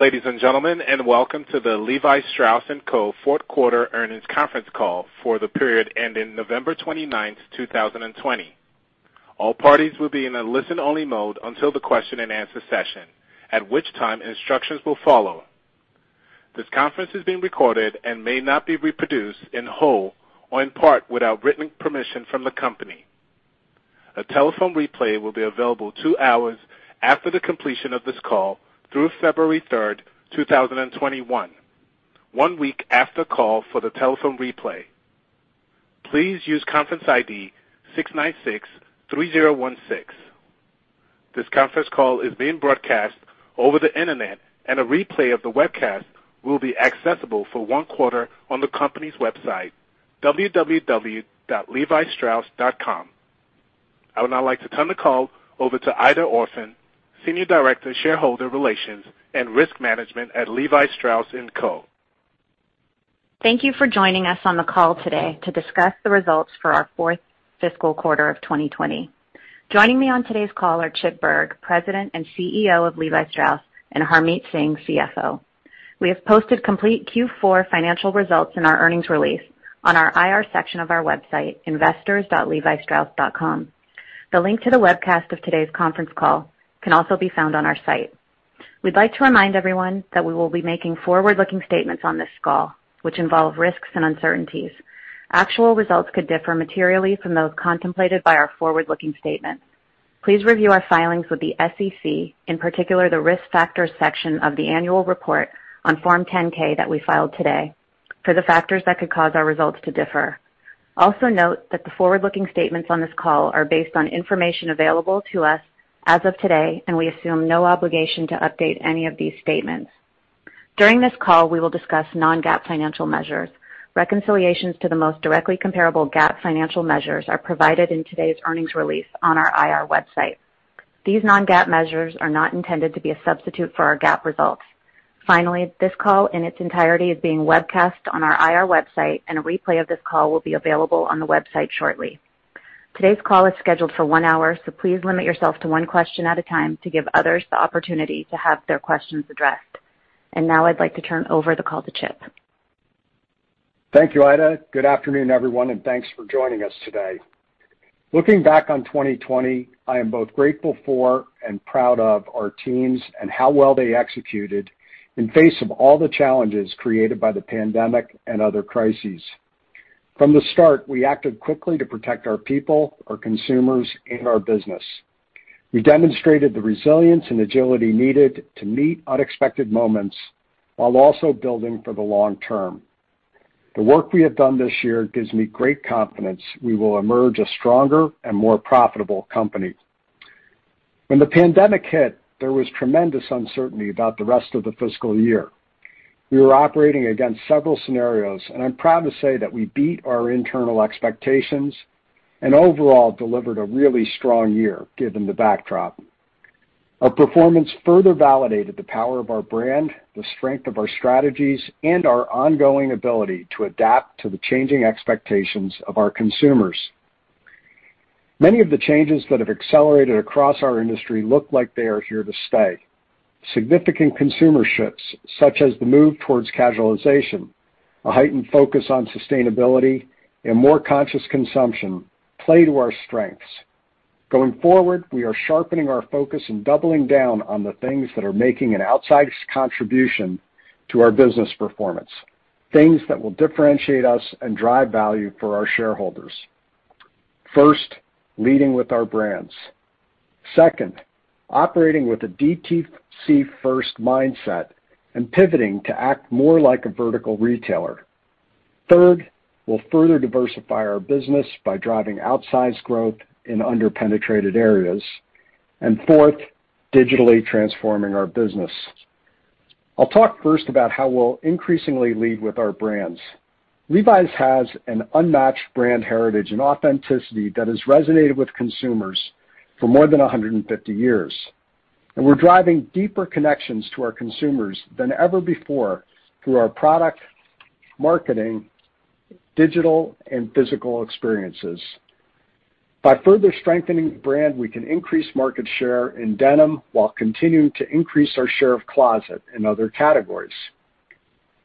Ladies and gentlemen, welcome to the Levi Strauss & Co. fourth quarter earnings conference call for the period ending November 29th, 2020. All parties will be in a listen-only mode until the question-and-answer session, at which time instructions will follow. This conference is being recorded and may not be reproduced in whole or in part without written permission from the company. A telephone replay will be available two hours after the completion of this call through February 3rd, 2021. One week after call for the telephone replay, please use conference ID 6963016. This conference call is being broadcast over the internet, a replay of the webcast will be accessible for one quarter on the company's website, www.levistrauss.com. I would now like to turn the call over to Aida Orphan, Senior Director, Shareholder Relations and Risk Management at Levi Strauss & Co. Thank you for joining us on the call today to discuss the results for our fourth fiscal quarter of 2020. Joining me on today's call are Chip Bergh, President and CEO of Levi Strauss, and Harmit Singh, CFO. We have posted complete Q4 financial results in our earnings release on our IR section of our website, investors.levistrauss.com. The link to the webcast of today's conference call can also be found on our site. We'd like to remind everyone that we will be making forward-looking statements on this call, which involve risks and uncertainties. Actual results could differ materially from those contemplated by our forward-looking statements. Please review our filings with the SEC, in particular, the Risk Factors section of the annual report on Form 10-K that we filed today for the factors that could cause our results to differ. Also note that the forward-looking statements on this call are based on information available to us as of today, and we assume no obligation to update any of these statements. During this call, we will discuss non-GAAP financial measures. Reconciliations to the most directly comparable GAAP financial measures are provided in today's earnings release on our IR website. These non-GAAP measures are not intended to be a substitute for our GAAP results. Finally, this call in its entirety is being webcast on our IR website, and a replay of this call will be available on the website shortly. Today's call is scheduled for one hour, please limit yourself to one question at a time to give others the opportunity to have their questions addressed. Now I'd like to turn over the call to Chip. Thank you, Aida. Good afternoon, everyone, and thanks for joining us today. Looking back on 2020, I am both grateful for and proud of our teams and how well they executed in face of all the challenges created by the pandemic and other crises. From the start, we acted quickly to protect our people, our consumers, and our business. We demonstrated the resilience and agility needed to meet unexpected moments while also building for the long term. The work we have done this year gives me great confidence we will emerge a stronger and more profitable company. When the pandemic hit, there was tremendous uncertainty about the rest of the fiscal year. We were operating against several scenarios, and I'm proud to say that we beat our internal expectations and overall delivered a really strong year, given the backdrop. Our performance further validated the power of our brand, the strength of our strategies, and our ongoing ability to adapt to the changing expectations of our consumers. Many of the changes that have accelerated across our industry look like they are here to stay. Significant consumer shifts, such as the move towards casualization, a heightened focus on sustainability, and more conscious consumption play to our strengths. Going forward, we are sharpening our focus and doubling down on the things that are making an outsized contribution to our business performance, things that will differentiate us and drive value for our shareholders. First, leading with our brands. Second, operating with a DTC-first mindset and pivoting to act more like a vertical retailer. Third, we'll further diversify our business by driving outsized growth in under-penetrated areas. Fourth, digitally transforming our business. I'll talk first about how we'll increasingly lead with our brands. Levi's has an unmatched brand heritage and authenticity that has resonated with consumers for more than 150 years. We're driving deeper connections to our consumers than ever before through our product, marketing, digital, and physical experiences. By further strengthening the brand, we can increase market share in denim while continuing to increase our share of closet in other categories.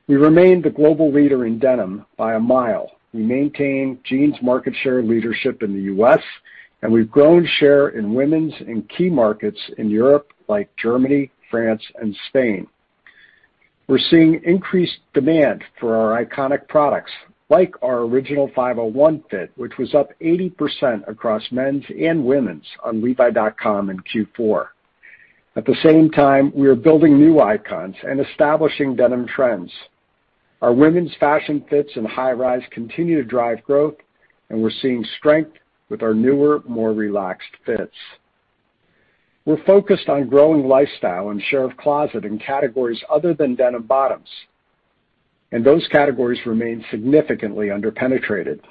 We remain the global leader in denim by a mile. We maintain jeans market share leadership in the U.S., and we've grown share in women's and key markets in Europe, like Germany, France, and Spain. We're seeing increased demand for our iconic products, like our original 501 fit, which was up 80% across men's and women's on levi.com in Q4. At the same time, we are building new icons and establishing denim trends. Our women's fashion fits and high rise continue to drive growth, and we're seeing strength with our newer, more relaxed fits. We're focused on growing lifestyle and share of closet in categories other than denim bottoms, and those categories remain significantly under-penetrated.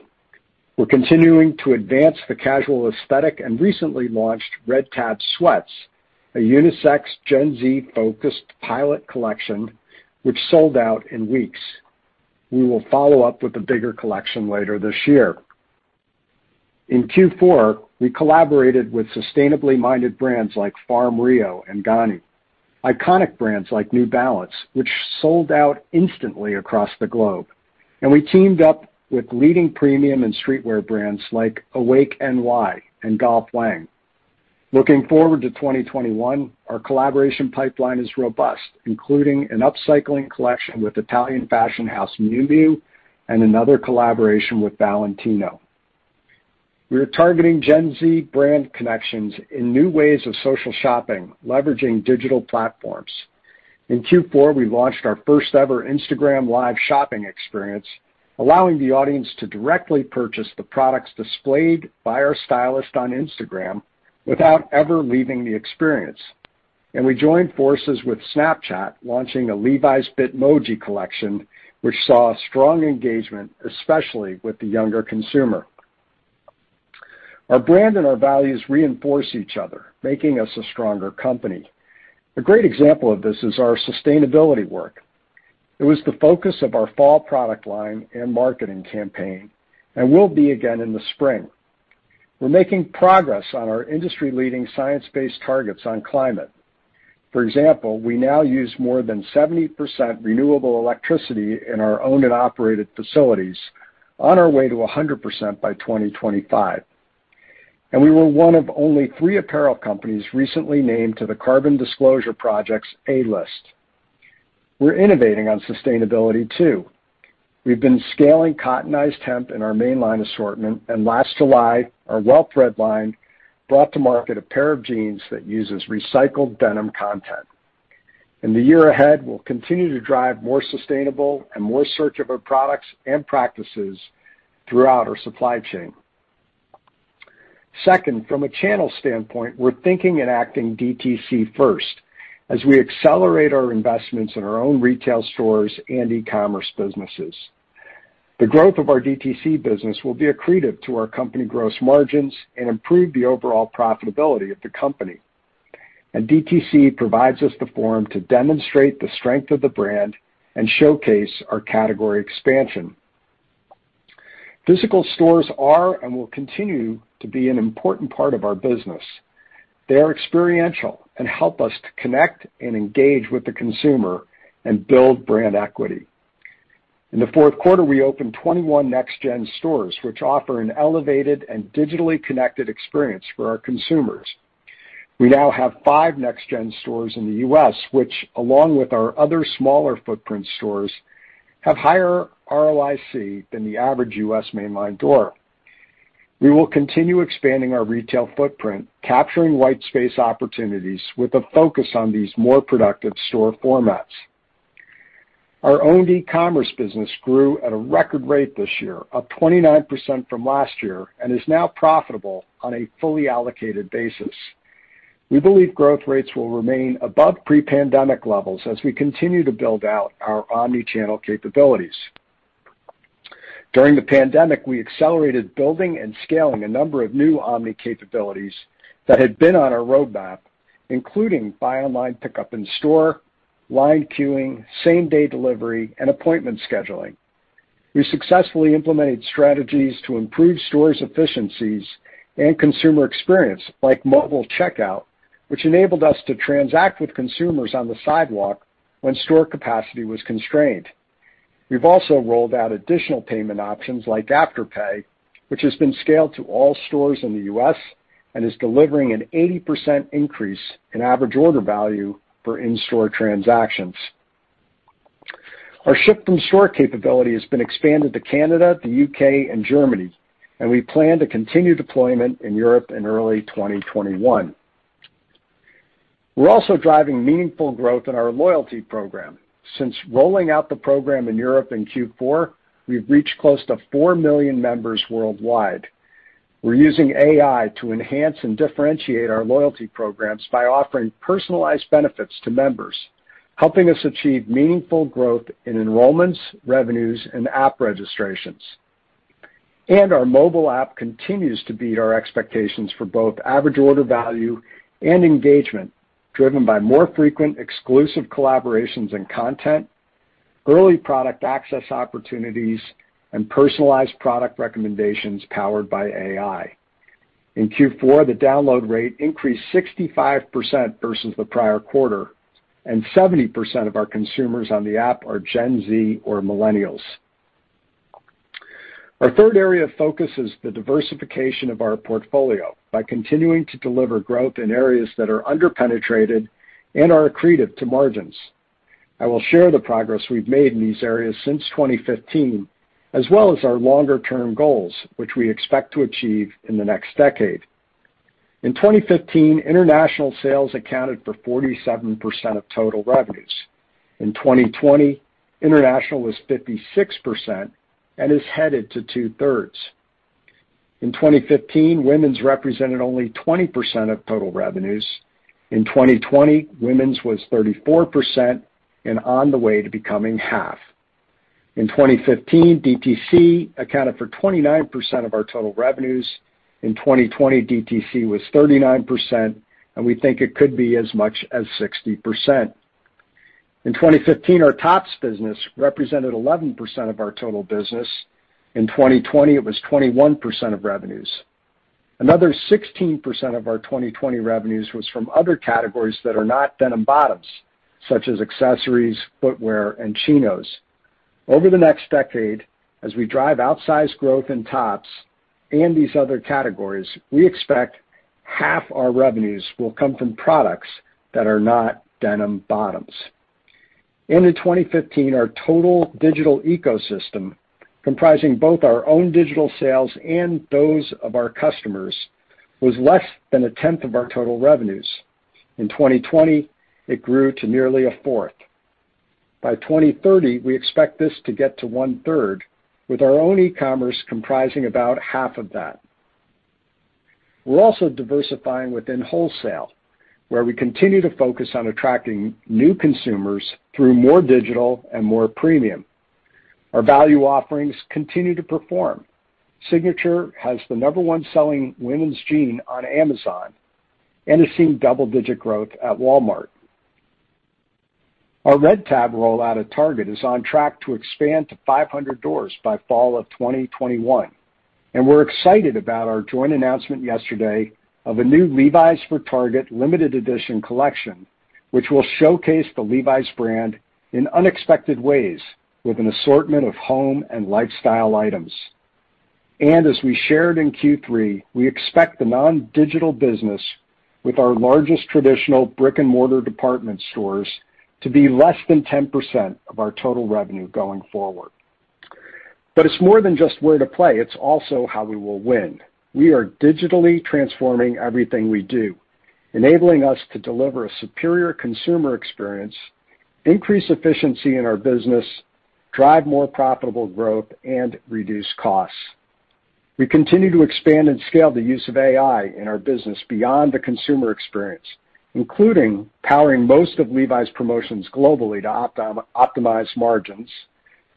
We're continuing to advance the casual aesthetic and recently launched Red Tab Sweats, a unisex Gen Z-focused pilot collection which sold out in weeks. We will follow up with a bigger collection later this year. In Q4, we collaborated with sustainably minded brands like FARM Rio and GANNI, iconic brands like New Balance, which sold out instantly across the globe, and we teamed up with leading premium and streetwear brands like Awake NY and GOLF WANG. Looking forward to 2021, our collaboration pipeline is robust, including an upcycling collection with Italian fashion house Miu Miu and another collaboration with Valentino. We are targeting Gen Z brand connections in new ways of social shopping, leveraging digital platforms. In Q4, we launched our first ever Instagram Live shopping experience, allowing the audience to directly purchase the products displayed by our stylist on Instagram without ever leaving the experience. We joined forces with Snapchat, launching a Levi's Bitmoji collection, which saw strong engagement, especially with the younger consumer. Our brand and our values reinforce each other, making us a stronger company. A great example of this is our sustainability work. It was the focus of our fall product line and marketing campaign, and will be again in the spring. We are making progress on our industry-leading science-based targets on climate. For example, we now use more than 70% renewable electricity in our owned and operated facilities, on our way to 100% by 2025. We were one of only three apparel companies recently named to the Carbon Disclosure Project's A List. We're innovating on sustainability, too. We've been scaling Cottonized Hemp in our mainline assortment, and last July, our WellThread line brought to market a pair of jeans that uses recycled denim content. In the year ahead, we'll continue to drive more sustainable and more circular products and practices throughout our supply chain. Second, from a channel standpoint, we're thinking and acting DTC first as we accelerate our investments in our own retail stores and e-commerce businesses. The growth of our DTC business will be accretive to our company gross margins and improve the overall profitability of the company. DTC provides us the forum to demonstrate the strength of the brand and showcase our category expansion. Physical stores are and will continue to be an important part of our business. They are experiential and help us to connect and engage with the consumer and build brand equity. In the fourth quarter, we opened 21 NextGen stores, which offer an elevated and digitally connected experience for our consumers. We now have five NextGen stores in the U.S., which, along with our other smaller footprint stores, have higher ROIC than the average U.S. mainline door. We will continue expanding our retail footprint, capturing white space opportunities with a focus on these more productive store formats. Our own e-commerce business grew at a record rate this year, up 29% from last year, and is now profitable on a fully allocated basis. We believe growth rates will remain above pre-pandemic levels as we continue to build out our omni-channel capabilities. During the pandemic, we accelerated building and scaling a number of new omni capabilities that had been on our roadmap, including buy online, pickup in store, line queuing, same-day delivery, and appointment scheduling. We successfully implemented strategies to improve stores' efficiencies and consumer experience, like mobile checkout, which enabled us to transact with consumers on the sidewalk when store capacity was constrained. We've also rolled out additional payment options like Afterpay, which has been scaled to all stores in the U.S. and is delivering an 80% increase in average order value for in-store transactions. We plan to continue deployment in Europe in early 2021. Our ship from store capability has been expanded to Canada, the U.K., and Germany. We're also driving meaningful growth in our loyalty program. Since rolling out the program in Europe in Q4, we've reached close to four million members worldwide. We're using AI to enhance and differentiate our loyalty programs by offering personalized benefits to members, helping us achieve meaningful growth in enrollments, revenues, and app registrations. Our mobile app continues to beat our expectations for both average order value and engagement, driven by more frequent exclusive collaborations and content, early product access opportunities, and personalized product recommendations powered by AI. In Q4, the download rate increased 65% versus the prior quarter, and 70% of our consumers on the app are Gen Z or millennials. Our third area of focus is the diversification of our portfolio by continuing to deliver growth in areas that are under-penetrated and are accretive to margins. I will share the progress we've made in these areas since 2015, as well as our longer-term goals, which we expect to achieve in the next decade. In 2015, international sales accounted for 47% of total revenues. In 2020, international was 56% and is headed to 2/3. In 2015, women's represented only 20% of total revenues. In 2020, women's was 34% and on the way to becoming half. In 2015, DTC accounted for 29% of our total revenues. In 2020, DTC was 39%, and we think it could be as much as 60%. In 2015, our tops business represented 11% of our total business. In 2020, it was 21% of revenues. Another 16% of our 2020 revenues was from other categories that are not denim bottoms, such as accessories, footwear, and chinos. Over the next decade, as we drive outsized growth in tops and these other categories, we expect half our revenues will come from products that are not denim bottoms. End of 2015, our total digital ecosystem, comprising both our own digital sales and those of our customers, was less than a 10th of our total revenues. In 2020, it grew to nearly a fourth. By 2030, we expect this to get to 1/3, with our own e-commerce comprising about half of that. We're also diversifying within wholesale, where we continue to focus on attracting new consumers through more digital and more premium. Our value offerings continue to perform. Signature has the number one selling women's jean on Amazon and has seen double-digit growth at Walmart. Our Red Tab rollout at Target is on track to expand to 500 doors by fall of 2021. We're excited about our joint announcement yesterday of a new Levi's for Target limited edition collection, which will showcase the Levi's brand in unexpected ways with an assortment of home and lifestyle items. As we shared in Q3, we expect the non-digital business with our largest traditional brick-and-mortar department stores to be less than 10% of our total revenue going forward. It's more than just where to play, it's also how we will win. We are digitally transforming everything we do, enabling us to deliver a superior consumer experience, increase efficiency in our business, drive more profitable growth, and reduce costs. We continue to expand and scale the use of AI in our business beyond the consumer experience, including powering most of Levi's promotions globally to optimize margins,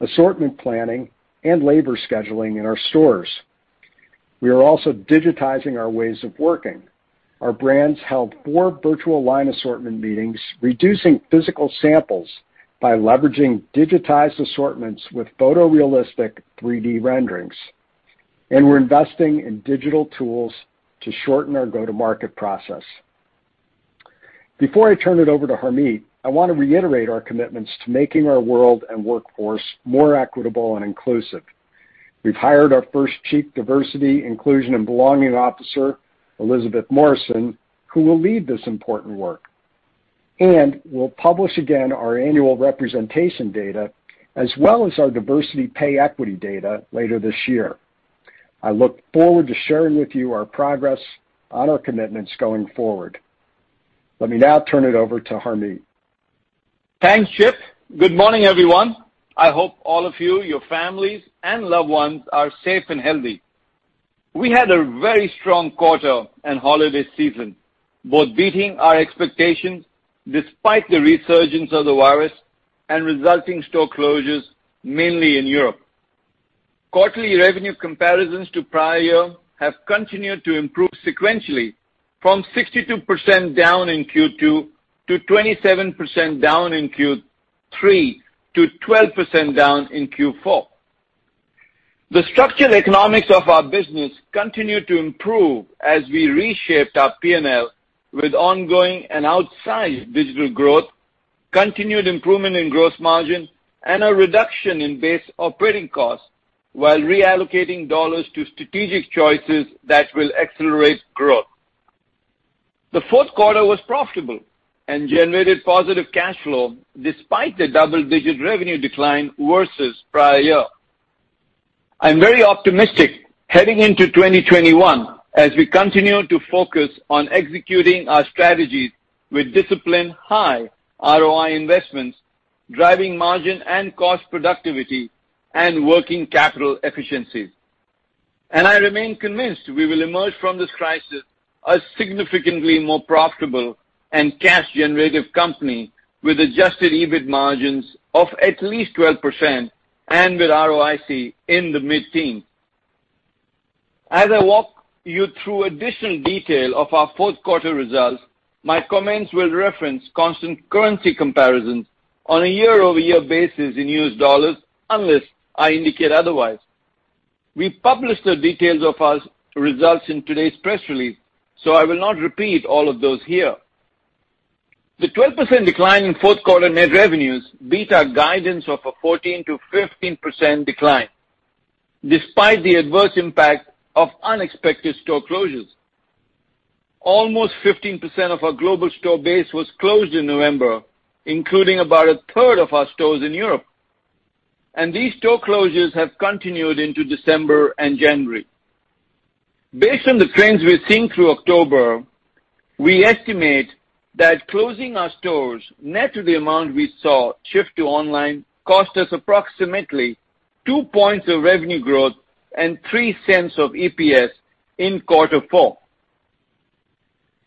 assortment planning, and labor scheduling in our stores. We are also digitizing our ways of working. Our brands held four virtual line assortment meetings, reducing physical samples by leveraging digitized assortments with photorealistic 3D renderings. We're investing in digital tools to shorten our go-to-market process. Before I turn it over to Harmit, I want to reiterate our commitments to making our world and workforce more equitable and inclusive. We've hired our first chief diversity, inclusion, and belonging officer, Elizabeth Morrison, who will lead this important work. We'll publish again our annual representation data, as well as our diversity pay equity data later this year. I look forward to sharing with you our progress on our commitments going forward. Let me now turn it over to Harmit. Thanks, Chip. Good morning, everyone. I hope all of you, your families, and loved ones are safe and healthy. We had a very strong quarter and holiday season, both beating our expectations despite the resurgence of the virus and resulting store closures, mainly in Europe. Quarterly revenue comparisons to prior year have continued to improve sequentially from 62% down in Q2 to 27% down in Q3 to 12% down in Q4. The structural economics of our business continued to improve as we reshaped our P&L with ongoing and outsized digital growth, continued improvement in gross margin, and a reduction in base operating costs while reallocating dollars to strategic choices that will accelerate growth. The fourth quarter was profitable and generated positive cash flow despite the double-digit revenue decline versus prior year. I'm very optimistic heading into 2021 as we continue to focus on executing our strategies with disciplined, high ROI investments, driving margin and cost productivity, and working capital efficiencies. I remain convinced we will emerge from this crisis a significantly more profitable and cash generative company with adjusted EBIT margins of at least 12% and with ROIC in the mid-teens. As I walk you through additional detail of our fourth quarter results, my comments will reference constant currency comparisons on a year-over-year basis in US dollars unless I indicate otherwise. We published the details of our results in today's press release, so I will not repeat all of those here. The 12% decline in fourth quarter net revenues beat our guidance of a 14%-15% decline despite the adverse impact of unexpected store closures. Almost 15% of our global store base was closed in November, including about a third of our stores in Europe. These store closures have continued into December and January. Based on the trends we've seen through October, we estimate that closing our stores net to the amount we saw shift to online cost us approximately two points of revenue growth and $0.03 of EPS in quarter four.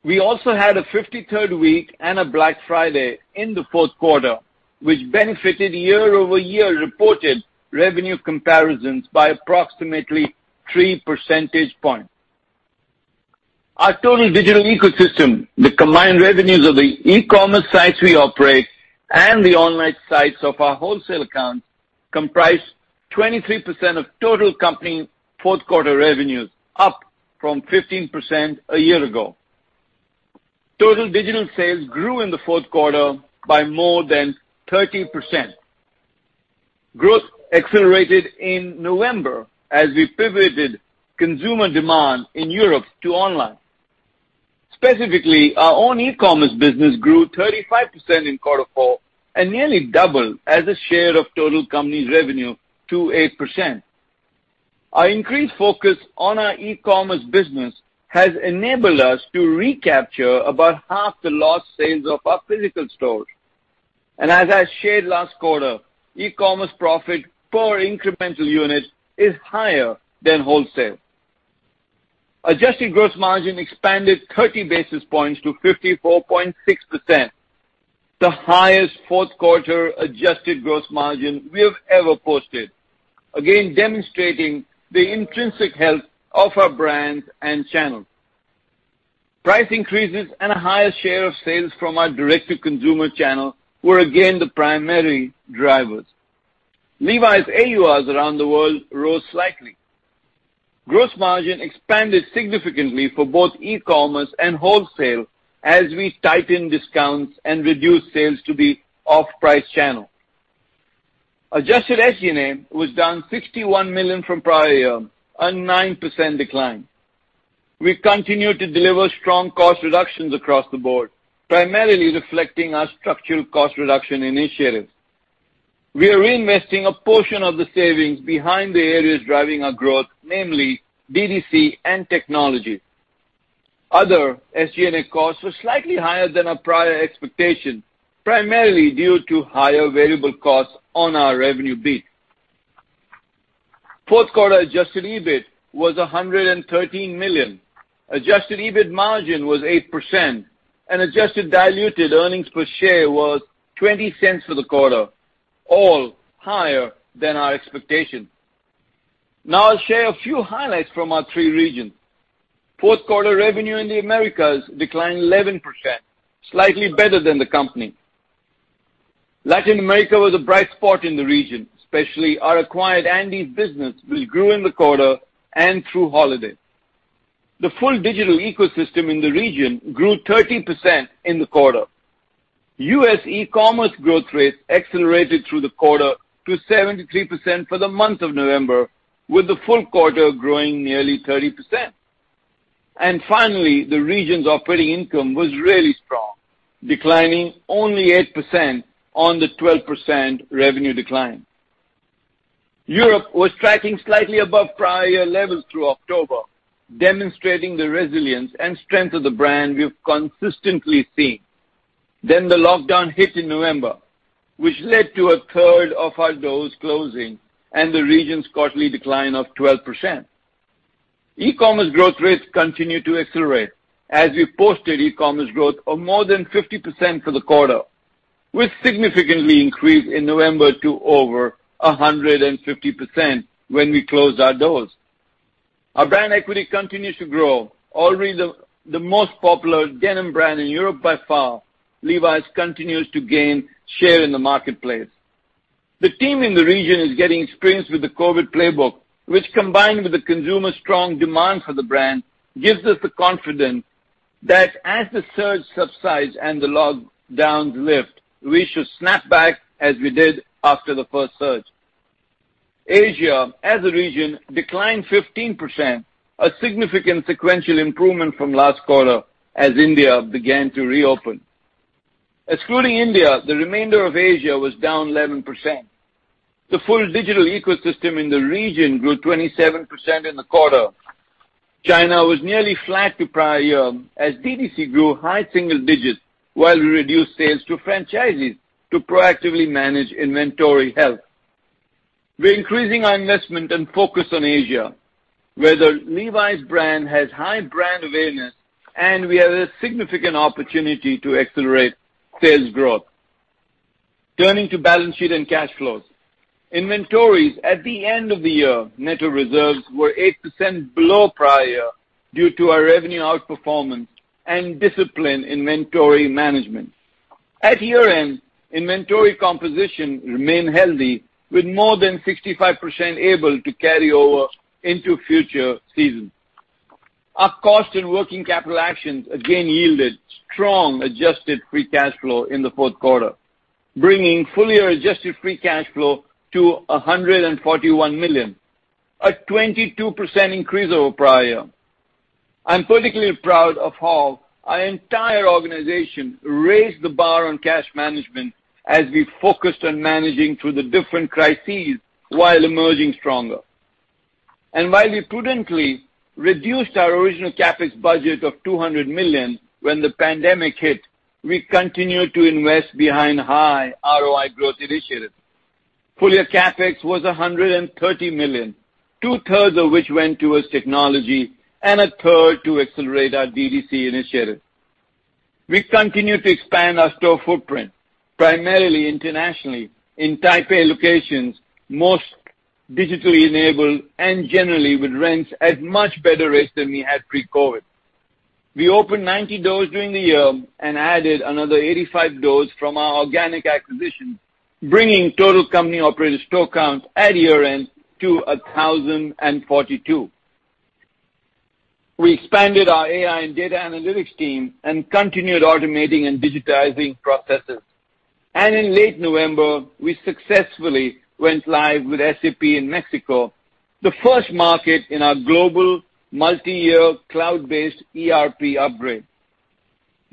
We also had a 53rd week and a Black Friday in the fourth quarter, which benefited year-over-year reported revenue comparisons by approximately three percentage points. Our total digital ecosystem, the combined revenues of the e-commerce sites we operate and the online sites of our wholesale accounts comprise 23% of total company fourth quarter revenues, up from 15% a year ago. Total digital sales grew in the fourth quarter by more than 30%. Growth accelerated in November as we pivoted consumer demand in Europe to online. Specifically, our own e-commerce business grew 35% in quarter four and nearly doubled as a share of total company revenue to 8%. Our increased focus on our e-commerce business has enabled us to recapture about half the lost sales of our physical stores. As I shared last quarter, e-commerce profit per incremental unit is higher than wholesale. Adjusted gross margin expanded 30 basis points to 54.6%, the highest fourth quarter adjusted gross margin we have ever posted. Again, demonstrating the intrinsic health of our brands and channels. Price increases and a higher share of sales from our direct-to-consumer channel were again the primary drivers. Levi's AURs around the world rose slightly. Gross margin expanded significantly for both e-commerce and wholesale as we tightened discounts and reduced sales to the off-price channel. Adjusted SG&A was down $61 million from prior year, a 9% decline. We continued to deliver strong cost reductions across the board, primarily reflecting our structural cost reduction initiatives. We are reinvesting a portion of the savings behind the areas driving our growth, namely DTC and technology. Other SG&A costs were slightly higher than our prior expectation, primarily due to higher variable costs on our revenue beat. Fourth quarter adjusted EBIT was $113 million. Adjusted EBIT margin was 8%, and adjusted diluted earnings per share was $0.20 for the quarter, all higher than our expectation. I'll share a few highlights from our three regions. Fourth quarter revenue in the Americas declined 11%, slightly better than the company. Latin America was a bright spot in the region, especially our acquired Andes business, which grew in the quarter and through holiday. The full digital ecosystem in the region grew 30% in the quarter. U.S. e-commerce growth rates accelerated through the quarter to 73% for the month of November, with the full quarter growing nearly 30%. Finally, the region's operating income was really strong, declining only 8% on the 12% revenue decline. Europe was tracking slightly above prior year levels through October, demonstrating the resilience and strength of the brand we've consistently seen. The lockdown hit in November, which led to a third of our doors closing and the region's quarterly decline of 12%. E-commerce growth rates continued to accelerate as we posted e-commerce growth of more than 50% for the quarter. We significantly increased in November to over 150% when we closed our doors. Our brand equity continues to grow. Already the most popular denim brand in Europe by far, Levi's continues to gain share in the marketplace. The team in the region is getting experience with the COVID playbook, which combined with the consumer strong demand for the brand, gives us the confidence that as the surge subsides and the lockdowns lift, we should snap back as we did after the first surge. Asia as a region declined 15%, a significant sequential improvement from last quarter as India began to reopen. Excluding India, the remainder of Asia was down 11%. The full digital ecosystem in the region grew 27% in the quarter. China was nearly flat to prior year as DTC grew high single digits while we reduced sales to franchisees to proactively manage inventory health. We're increasing our investment and focus on Asia, where the Levi's brand has high brand awareness, and we have a significant opportunity to accelerate sales growth. Turning to balance sheet and cash flows. Inventories at the end of the year, net of reserves, were 8% below prior year due to our revenue outperformance and disciplined inventory management. At year-end, inventory composition remained healthy, with more than 65% able to carry over into future seasons. Our cost and working capital actions again yielded strong adjusted free cash flow in the fourth quarter, bringing full-year adjusted free cash flow to $141 million, a 22% increase over prior year. I'm particularly proud of how our entire organization raised the bar on cash management as we focused on managing through the different crises while emerging stronger. While we prudently reduced our original CapEx budget of $200 million when the pandemic hit, we continued to invest behind high ROI growth initiatives. Full-year CapEx was $130 million, two-thirds of which went towards technology and a third to accelerate our DTC initiative. We've continued to expand our store footprint, primarily internationally in Taipei locations, most digitally enabled and generally with rents at much better rates than we had pre-COVID. We opened 90 doors during the year and added another 85 doors from our organic acquisition, bringing total company-operated store counts at year-end to 1,042. We expanded our AI and data analytics team and continued automating and digitizing processes. In late November, we successfully went live with SAP in Mexico, the first market in our global multi-year cloud-based ERP upgrade.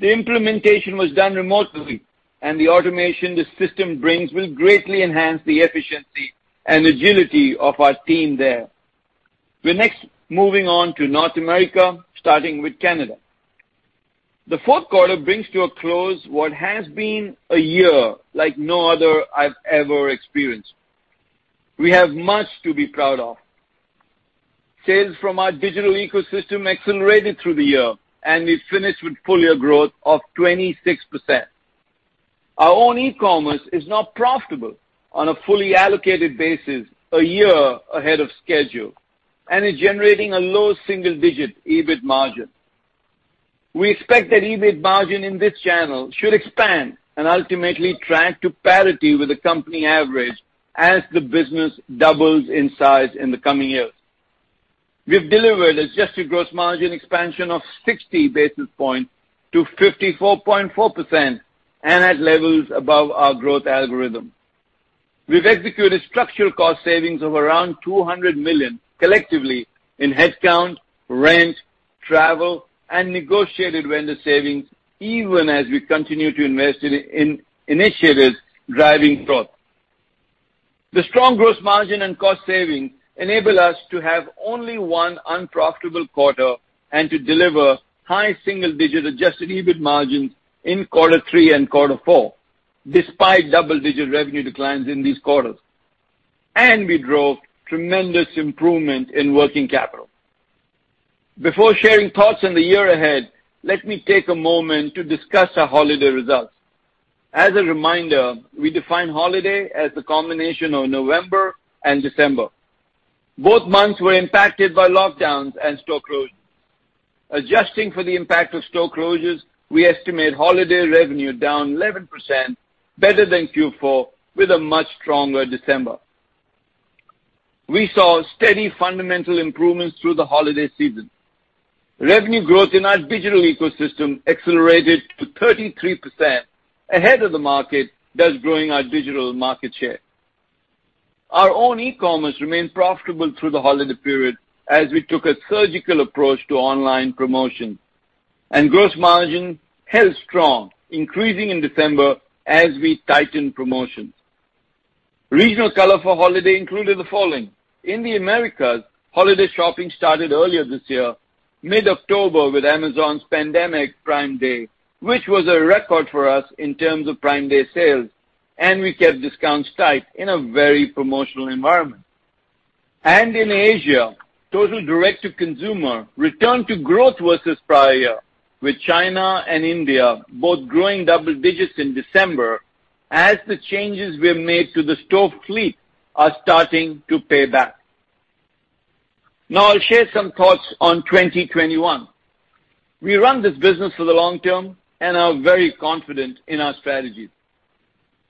The implementation was done remotely, the automation the system brings will greatly enhance the efficiency and agility of our team there. We're next moving on to North America, starting with Canada. The fourth quarter brings to a close what has been a year like no other I've ever experienced. We have much to be proud of. Sales from our digital ecosystem accelerated through the year, and we finished with full-year growth of 26%. Our own e-commerce is now profitable on a fully allocated basis a year ahead of schedule and is generating a low single-digit EBIT margin. We expect that EBIT margin in this channel should expand and ultimately track to parity with the company average as the business doubles in size in the coming years. We've delivered adjusted gross margin expansion of 60 basis points to 54.4% and at levels above our growth algorithm. We've executed structural cost savings of around $200 million collectively in headcount, rent, travel, and negotiated vendor savings, even as we continue to invest in initiatives driving growth. The strong gross margin and cost saving enable us to have only one unprofitable quarter and to deliver high single-digit adjusted EBIT margins in quarter three and quarter four, despite double-digit revenue declines in these quarters. We drove tremendous improvement in working capital. Before sharing thoughts on the year ahead, let me take a moment to discuss our holiday results. As a reminder, we define holiday as the combination of November and December. Both months were impacted by lockdowns and store closures. Adjusting for the impact of store closures, we estimate holiday revenue down 11%, better than Q4, with a much stronger December. We saw steady fundamental improvements through the holiday season. Revenue growth in our digital ecosystem accelerated to 33%, ahead of the market, thus growing our digital market share. Our own e-commerce remained profitable through the holiday period as we took a surgical approach to online promotion. Gross margin held strong, increasing in December as we tightened promotions. Regional color for holiday included the following. In the Americas, holiday shopping started earlier this year, mid-October, with Amazon's Prime Day, which was a record for us in terms of Prime Day sales. We kept discounts tight in a very promotional environment. In Asia, total direct-to-consumer returned to growth versus prior year, with China and India both growing double digits in December as the changes we have made to the store fleet are starting to pay back. I'll share some thoughts on 2021. We run this business for the long term and are very confident in our strategy.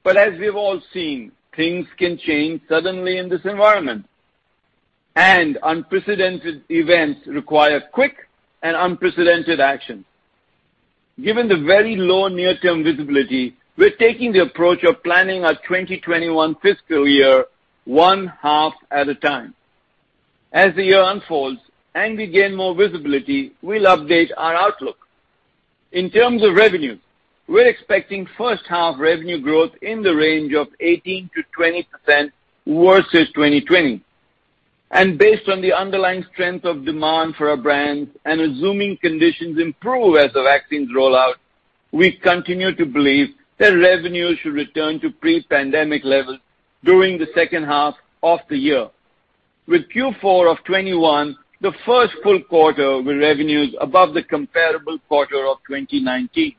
As we've all seen, things can change suddenly in this environment. Unprecedented events require quick and unprecedented action. Given the very low near-term visibility, we're taking the approach of planning our 2021 fiscal year one half at a time. As the year unfolds and we gain more visibility, we'll update our outlook. In terms of revenue, we're expecting first half revenue growth in the range of 18%-20% versus 2020. Based on the underlying strength of demand for our brands and assuming conditions improve as the vaccines roll out, we continue to believe that revenue should return to pre-pandemic levels during the second half of the year, with Q4 of 2021 the first full quarter with revenues above the comparable quarter of 2019.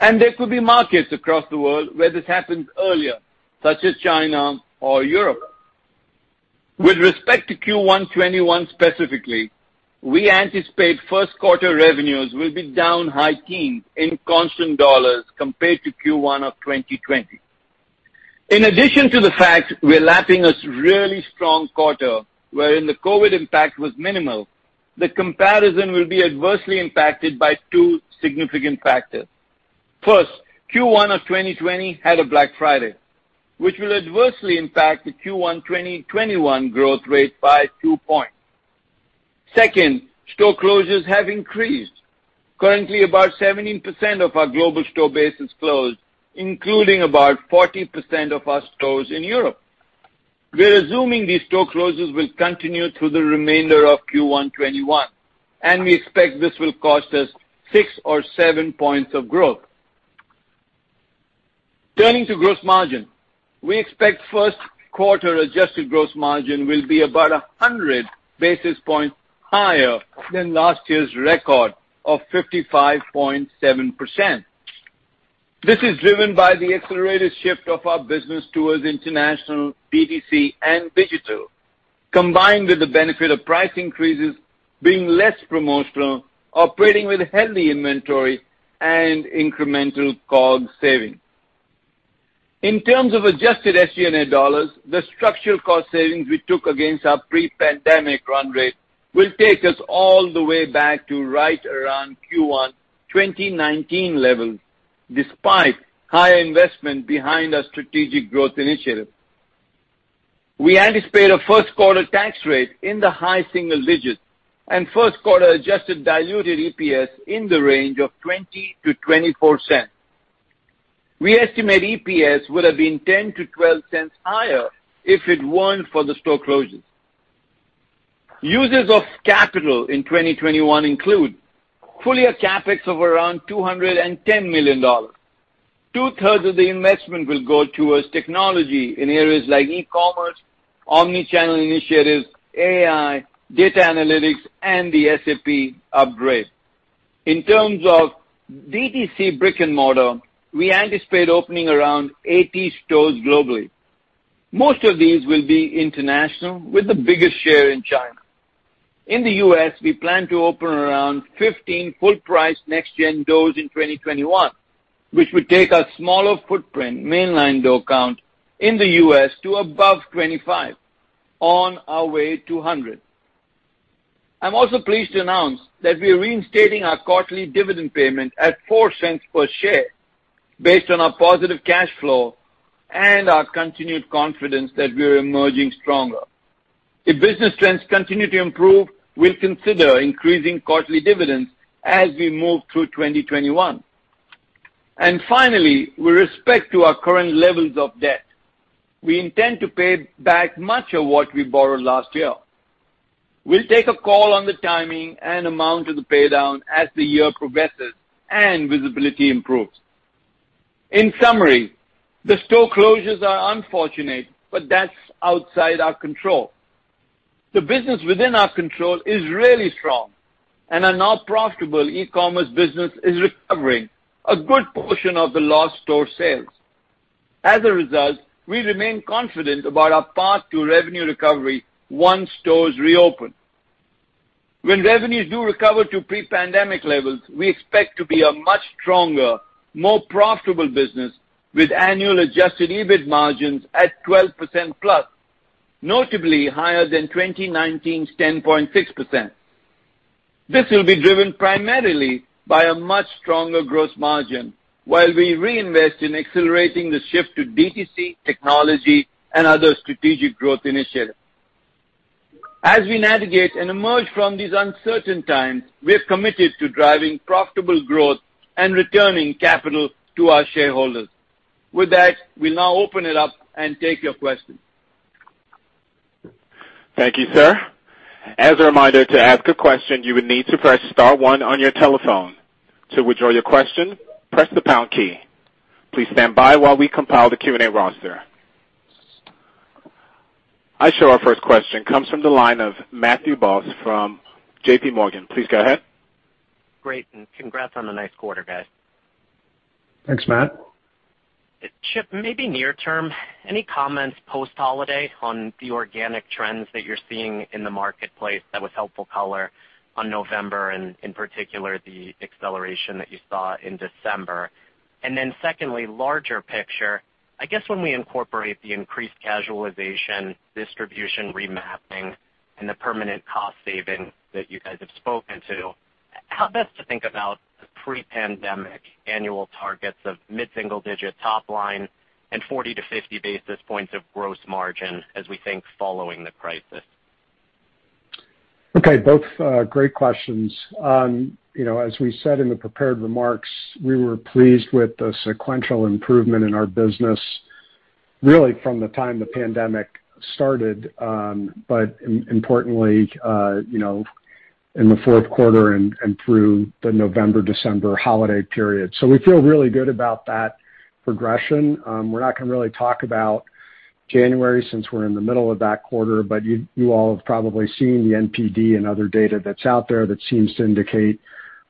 There could be markets across the world where this happens earlier, such as China or Europe. With respect to Q1 2021 specifically, we anticipate first quarter revenues will be down high teens in constant dollars compared to Q1 2020. In addition to the fact we're lapping a really strong quarter wherein the COVID impact was minimal, the comparison will be adversely impacted by two significant factors. First, Q1 2020 had a Black Friday, which will adversely impact the Q1 2021 growth rate by two points. Second, store closures have increased. Currently, about 17% of our global store base is closed, including about 40% of our stores in Europe. We're assuming these store closures will continue through the remainder of Q1 2021, and we expect this will cost us six or seven points of growth. Turning to gross margin, we expect first quarter adjusted gross margin will be about 100 basis points higher than last year's record of 55.7%. This is driven by the accelerated shift of our business towards international DTC and digital, combined with the benefit of price increases being less promotional, operating with healthy inventory and incremental COGS savings. In terms of adjusted SG&A dollars, the structural cost savings we took against our pre-pandemic run rate will take us all the way back to right around Q1 2019 levels, despite high investment behind our strategic growth initiative. We anticipate a first quarter tax rate in the high single digits and first quarter adjusted diluted EPS in the range of $0.20-$0.24. We estimate EPS would have been $0.10-$0.12 higher if it weren't for the store closures. Uses of capital in 2021 include full-year CapEx of around $210 million. Two-thirds of the investment will go towards technology in areas like e-commerce, omni-channel initiatives, AI, data analytics and the SAP upgrade. In terms of DTC brick-and-mortar, we anticipate opening around 80 stores globally. Most of these will be international, with the biggest share in China. In the U.S., we plan to open around 15 full-price NextGen doors in 2021, which would take our smaller footprint mainline door count in the U.S. to above 25, on our way to 100. I'm also pleased to announce that we are reinstating our quarterly dividend payment at $0.04 per share based on our positive cash flow and our continued confidence that we are emerging stronger. If business trends continue to improve, we'll consider increasing quarterly dividends as we move through 2021. Finally, with respect to our current levels of debt, we intend to pay back much of what we borrowed last year. We'll take a call on the timing and amount of the paydown as the year progresses and visibility improves. In summary, the store closures are unfortunate, but that's outside our control. The business within our control is really strong, and our now profitable e-commerce business is recovering a good portion of the lost store sales. As a result, we remain confident about our path to revenue recovery once stores reopen. When revenues do recover to pre-pandemic levels, we expect to be a much stronger, more profitable business with annual adjusted EBIT margins at 12%+, notably higher than 2019's 10.6%. This will be driven primarily by a much stronger gross margin while we reinvest in accelerating the shift to DTC, technology and other strategic growth initiatives. As we navigate and emerge from these uncertain times, we're committed to driving profitable growth and returning capital to our shareholders. With that, we'll now open it up and take your questions. Thank you, sir. As a reminder, to ask a question, you would need to press star one on your telephone. To withdraw your question, press the pound key. Please stand by while we compile the Q&A roster. I show our first question comes from the line of Matthew Boss from JPMorgan. Please go ahead. Great, congrats on a nice quarter, guys. Thanks, Matt. Chip, maybe near term, any comments post-holiday on the organic trends that you're seeing in the marketplace that would helpful color on November and in particular, the acceleration that you saw in December? Secondly, larger picture, I guess when we incorporate the increased casualization, distribution remapping, and the permanent cost savings that you guys have spoken to, how best to think about the pre-pandemic annual targets of mid-single digit top line and 40-50 basis points of gross margin as we think following the crisis? Okay. Both great questions. As we said in the prepared remarks, we were pleased with the sequential improvement in our business really from the time the pandemic started. Importantly, in the fourth quarter and through the November, December holiday period. We feel really good about that progression. We're not going to really talk about January since we're in the middle of that quarter, but you all have probably seen the NPD and other data that's out there that seems to indicate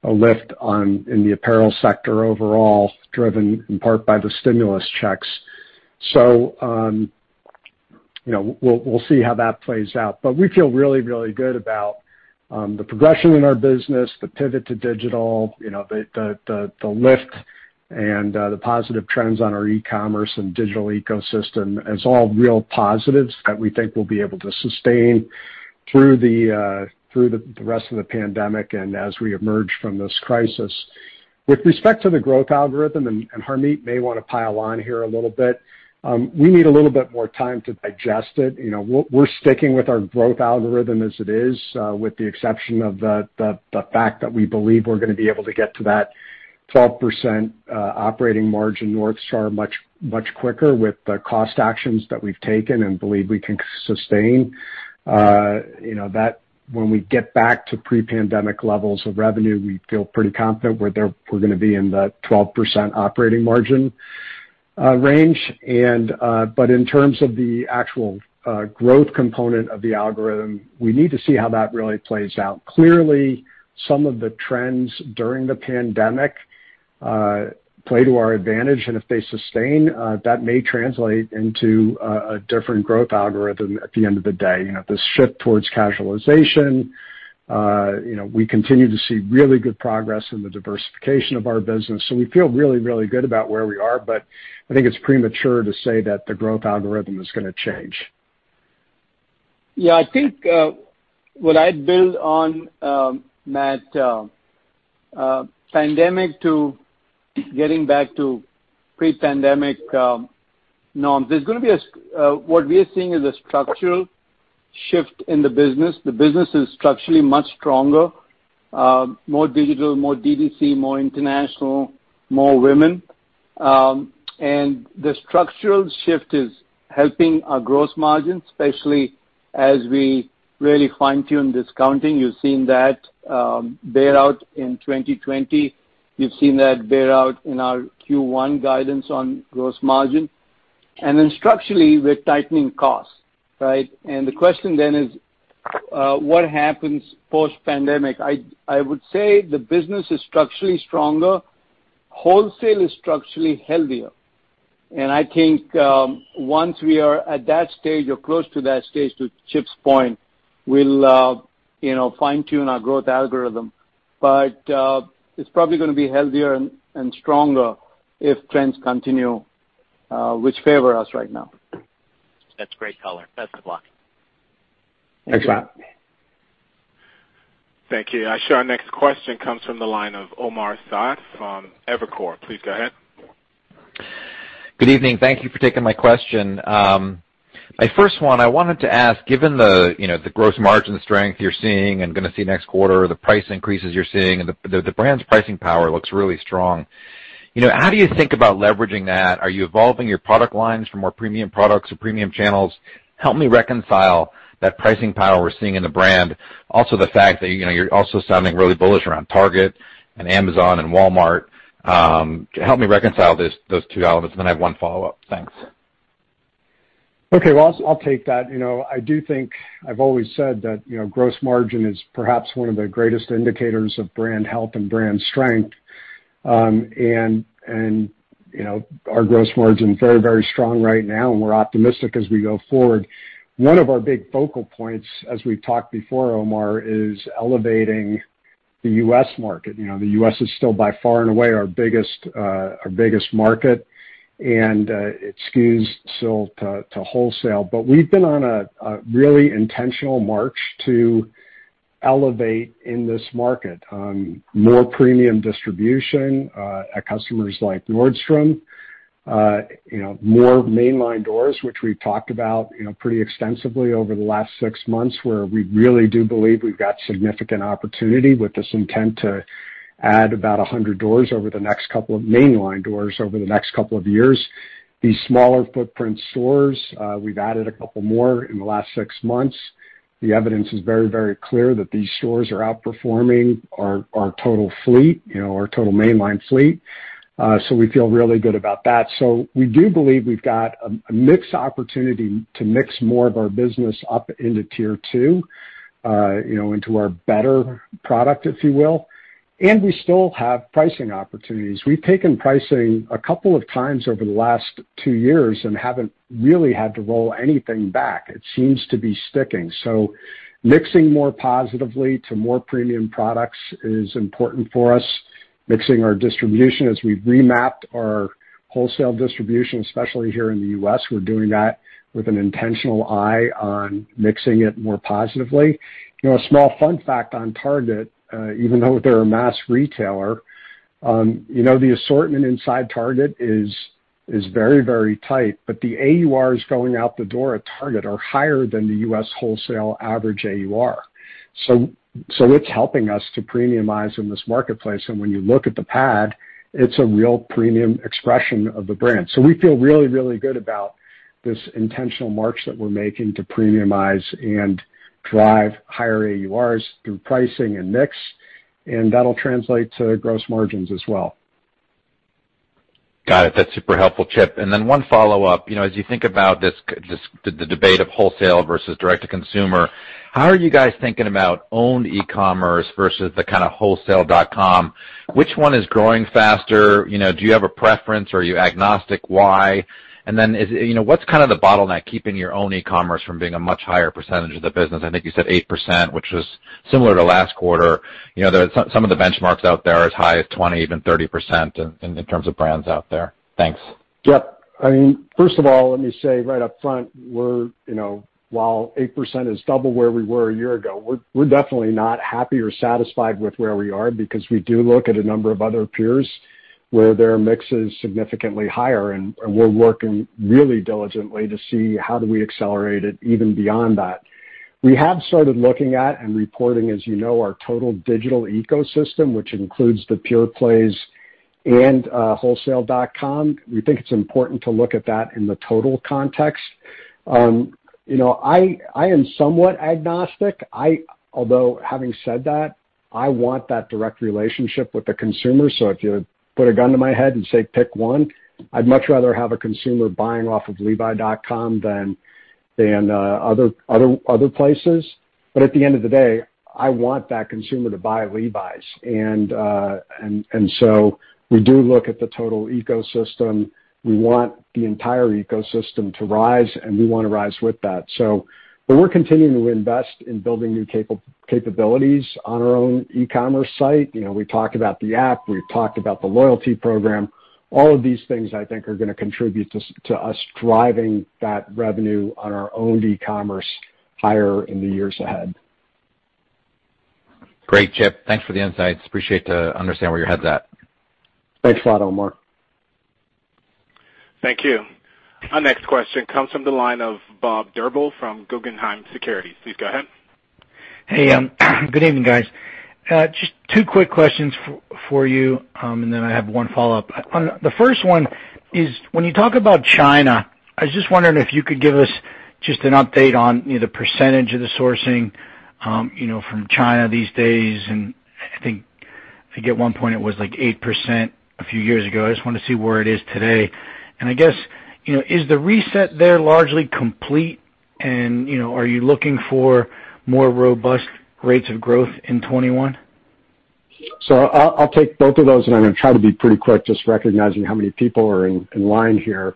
a lift in the apparel sector overall, driven in part by the stimulus checks. We'll see how that plays out. We feel really, really good about the progression in our business, the pivot to digital, the lift and the positive trends on our e-commerce and digital ecosystem as all real positives that we think we'll be able to sustain through the rest of the pandemic and as we emerge from this crisis. With respect to the growth algorithm, Harmit may want to pile on here a little bit, we need a little bit more time to digest it. We're sticking with our growth algorithm as it is, with the exception of the fact that we believe we're going to be able to get to that 12% operating margin North Star much quicker with the cost actions that we've taken and believe we can sustain. When we get back to pre-pandemic levels of revenue, we feel pretty confident we're going to be in the 12% operating margin range. In terms of the actual growth component of the algorithm, we need to see how that really plays out. Clearly, some of the trends during the pandemic play to our advantage, and if they sustain, that may translate into a different growth algorithm at the end of the day. This shift towards casualization, we continue to see really good progress in the diversification of our business. We feel really, really good about where we are. I think it's premature to say that the growth algorithm is going to change. Yeah. I think what I'd build on, Matt, pandemic to getting back to pre-pandemic norms, what we are seeing is a structural shift in the business. The business is structurally much stronger, more digital, more D2C, more international, more women. The structural shift is helping our gross margin, especially as we really fine-tune discounting. You've seen that bear out in 2020. You've seen that bear out in our Q1 guidance on gross margin. Structurally, we're tightening costs. Right? The question then is, what happens post-pandemic? I would say the business is structurally stronger. Wholesale is structurally healthier. I think once we are at that stage or close to that stage, to Chip's point, we'll fine-tune our growth algorithm. It's probably going to be healthier and stronger if trends continue, which favor us right now. That's great color. Best of luck. Thanks a lot. Thank you. Thank you. I show our next question comes from the line of Omar Saad from Evercore. Please go ahead. Good evening. Thank you for taking my question. My first one, I wanted to ask, given the gross margin strength you're seeing and going to see next quarter, the price increases you're seeing, and the brand's pricing power looks really strong. How do you think about leveraging that? Are you evolving your product lines for more premium products or premium channels? Help me reconcile that pricing power we're seeing in the brand. The fact that you're also sounding really bullish around Target and Amazon and Walmart. Help me reconcile those two elements, and then I have one follow-up. Thanks. Okay. Well, I'll take that. I've always said that gross margin is perhaps one of the greatest indicators of brand health and brand strength. Our gross margin is very, very strong right now, and we're optimistic as we go forward. One of our big focal points, as we've talked before, Omar, is elevating the U.S. market. The U.S. is still by far and away our biggest market, and it skews still to wholesale. We've been on a really intentional march to elevate in this market. More premium distribution at customers like Nordstrom. More mainline doors, which we've talked about pretty extensively over the last six months, where we really do believe we've got significant opportunity with this intent to add about 100 mainline doors over the next couple of years. These smaller footprint stores, we've added a couple more in the last six months. The evidence is very, very clear that these stores are outperforming our total mainline fleet. We feel really good about that. We do believe we've got a mix opportunity to mix more of our business up into Tier 2, into our better product, if you will. We still have pricing opportunities. We've taken pricing a couple of times over the last two years and haven't really had to roll anything back. It seems to be sticking. Mixing more positively to more premium products is important for us. Mixing our distribution as we've remapped our wholesale distribution, especially here in the U.S. We're doing that with an intentional eye on mixing it more positively. A small fun fact on Target, even though they're a mass retailer, the assortment inside Target is very, very tight, but the AURs going out the door at Target are higher than the U.S. wholesale average AUR. It's helping us to premiumize in this marketplace. When you look at the Red Tab, it's a real premium expression of the brand. We feel really, really good about this intentional march that we're making to premiumize and drive higher AURs through pricing and mix, and that'll translate to gross margins as well. Got it. That's super helpful, Chip. One follow-up. As you think about the debate of wholesale versus direct-to-consumer, how are you guys thinking about owned e-commerce versus the kind of wholesale .com? Which one is growing faster? Do you have a preference? Are you agnostic? Why? What's the bottleneck keeping your own e-commerce from being a much higher percentage of the business? I think you said 8%, which was similar to last quarter. Some of the benchmarks out there are as high as 20, even 30% in terms of brands out there. Thanks. Yep. First of all, let me say right up front, while 8% is double where we were a year ago, we're definitely not happy or satisfied with where we are because we do look at a number of other peers where their mix is significantly higher, and we're working really diligently to see how do we accelerate it even beyond that. We have started looking at and reporting, as you know, our total digital ecosystem, which includes the pure plays and wholesale.com. We think it's important to look at that in the total context. Having said that, I want that direct relationship with the consumer. If you put a gun to my head and say, "Pick one," I'd much rather have a consumer buying off of levi.com than other places. At the end of the day, I want that consumer to buy Levi's. We do look at the total ecosystem. We want the entire ecosystem to rise, and we want to rise with that. We're continuing to invest in building new capabilities on our own e-commerce site. We talked about the app, we've talked about the loyalty program. All of these things, I think, are going to contribute to us driving that revenue on our own e-commerce higher in the years ahead. Great, Chip. Thanks for the insights. Appreciate to understand where your head's at. Thanks a lot, Omar. Thank you. Our next question comes from the line of Bob Drbul from Guggenheim Securities. Please go ahead. Hey. Good evening, guys. Just two quick questions for you, and then I have one follow-up. The first one is, when you talk about China, I was just wondering if you could give us just an update on the percentage of the sourcing from China these days, and I think at one point it was, like, 8% a few years ago. I just wanted to see where it is today. I guess, is the reset there largely complete, and are you looking for more robust rates of growth in 2021? I'll take both of those, and I'm going to try to be pretty quick, just recognizing how many people are in line here.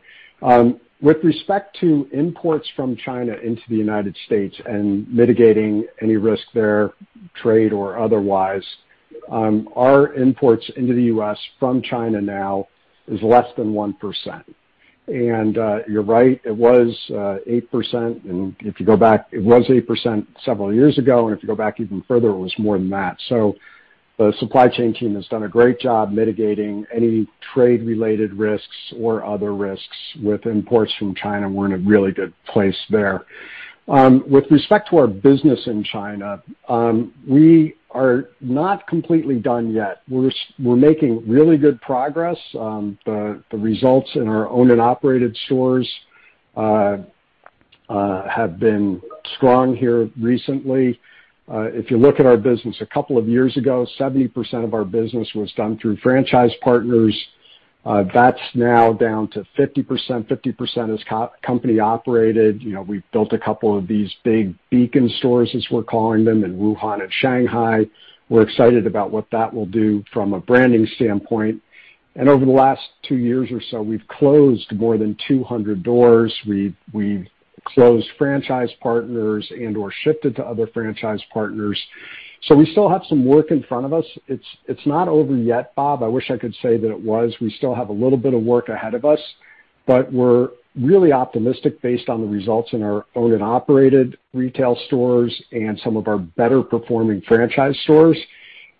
With respect to imports from China into the United States and mitigating any risk there, trade or otherwise, our imports into the U.S. from China now is less than 1%. You're right, it was 8%, and if you go back, it was 8% several years ago. If you go back even further, it was more than that. The supply chain team has done a great job mitigating any trade-related risks or other risks with imports from China. We're in a really good place there. With respect to our business in China, we are not completely done yet. We're making really good progress. The results in our owned and operated stores have been strong here recently. If you look at our business a couple of years ago, 70% of our business was done through franchise partners. That's now down to 50%. 50% is company-operated. We've built a couple of these big beacon stores, as we're calling them, in Wuhan and Shanghai. We're excited about what that will do from a branding standpoint. Over the last two years or so, we've closed more than 200 doors. We've closed franchise partners and/or shifted to other franchise partners. We still have some work in front of us. It's not over yet, Bob. I wish I could say that it was. We still have a little bit of work ahead of us. We're really optimistic based on the results in our owned and operated retail stores and some of our better-performing franchise stores.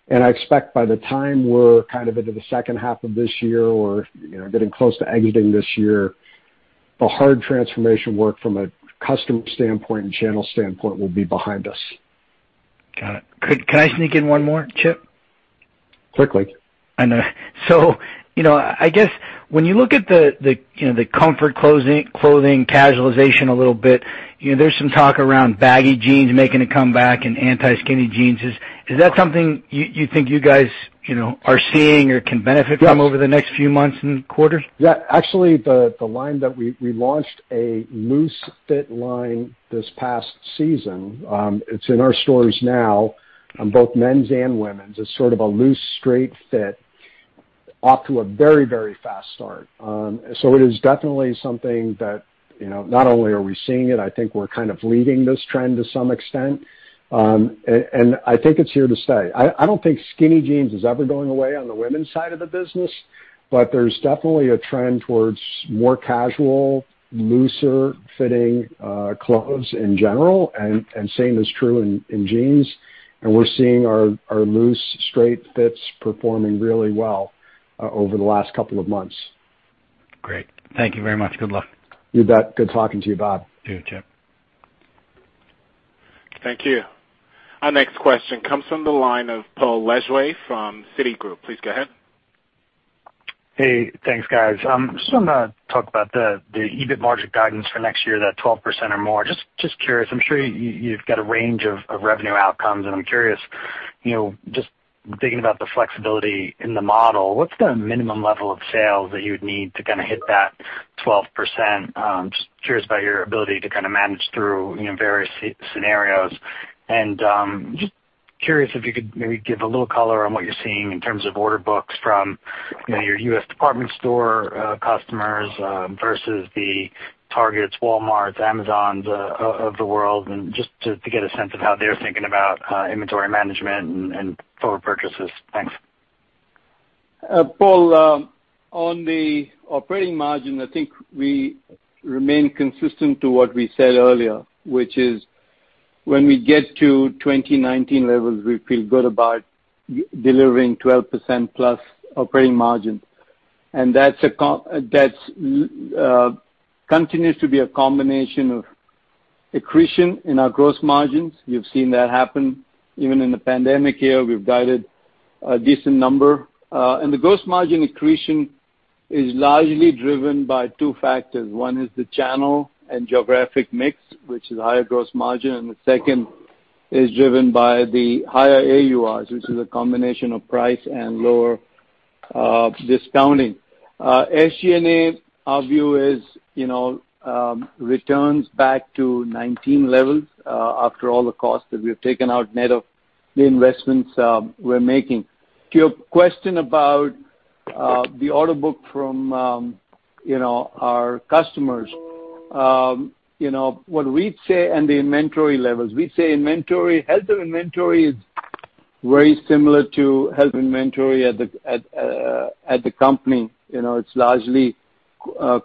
I expect by the time we're into the second half of this year or getting close to exiting this year, the hard transformation work from a customer standpoint and channel standpoint will be behind us. Got it. Could I sneak in one more, Chip? Quickly. I know. I guess when you look at the comfort clothing casualization a little bit, there's some talk around baggy jeans making a comeback and anti-skinny jeans. Is that something you think you guys are seeing or can benefit from? Yes over the next few months and quarters? Yeah. Actually, the line that we launched a loose fit line this past season. It's in our stores now, both men's and women's. It's sort of a loose, straight fit. Off to a very fast start. It is definitely something that, not only are we seeing it, I think we're kind of leading this trend to some extent. I think it's here to stay. I don't think skinny jeans is ever going away on the women's side of the business, but there's definitely a trend towards more casual, looser-fitting clothes in general, and same is true in jeans. We're seeing our loose, straight fits performing really well over the last couple of months. Great. Thank you very much. Good luck. You bet. Good talking to you, Bob. You too, Chip. Thank you. Our next question comes from the line of Paul Lejuez from Citigroup. Please go ahead. Hey, thanks, guys. Just want to talk about the EBIT margin guidance for next year, that 12% or more. Just curious, I'm sure you've got a range of revenue outcomes, and I'm curious, just thinking about the flexibility in the model, what's the minimum level of sales that you would need to hit that 12%? Just curious about your ability to manage through various scenarios. Just curious if you could maybe give a little color on what you're seeing in terms of order books from your U.S. department store customers versus the Targets, Walmarts, Amazons of the world, and just to get a sense of how they're thinking about inventory management and forward purchases. Thanks. Paul, on the operating margin, I think we remain consistent to what we said earlier, which is when we get to 2019 levels, we feel good about delivering 12% plus operating margin. That continues to be a combination of accretion in our gross margins. You've seen that happen even in the pandemic year. We've guided a decent number. The gross margin accretion is largely driven by two factors. One is the channel and geographic mix, which is higher gross margin, and the second is driven by the higher AURs, which is a combination of price and lower discounting. SG&A, our view is returns back to 2019 levels after all the costs that we've taken out, net of the investments we're making. To your question about the order book from our customers, the inventory levels. We say health of inventory is very similar to health inventory at the company. It's largely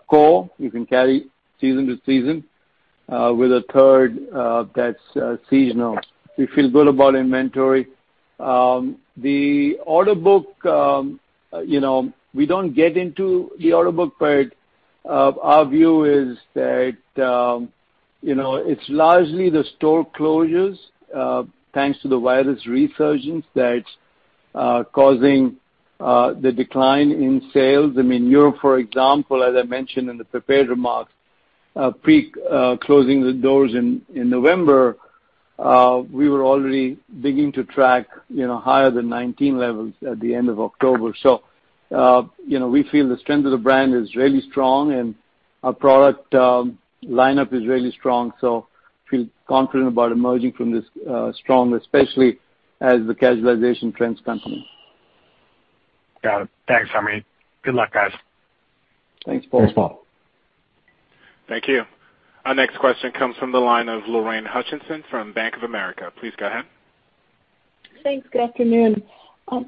core. You can carry season to season, with a third that's seasonal. We feel good about inventory. The order book, we don't get into the order book, but our view is that it's largely the store closures, thanks to the virus resurgence, that's causing the decline in sales. In Europe, for example, as I mentioned in the prepared remarks, pre-closing the doors in November, we were already beginning to track higher than '19 levels at the end of October. We feel the strength of the brand is really strong, and our product lineup is really strong, so feel confident about emerging from this strong, especially as the casualization trends continue. Got it. Thanks, Harmit. Good luck, guys. Thanks, Paul. Thanks, Paul. Thank you. Our next question comes from the line of Lorraine Hutchinson from Bank of America. Please go ahead. Thanks. Good afternoon.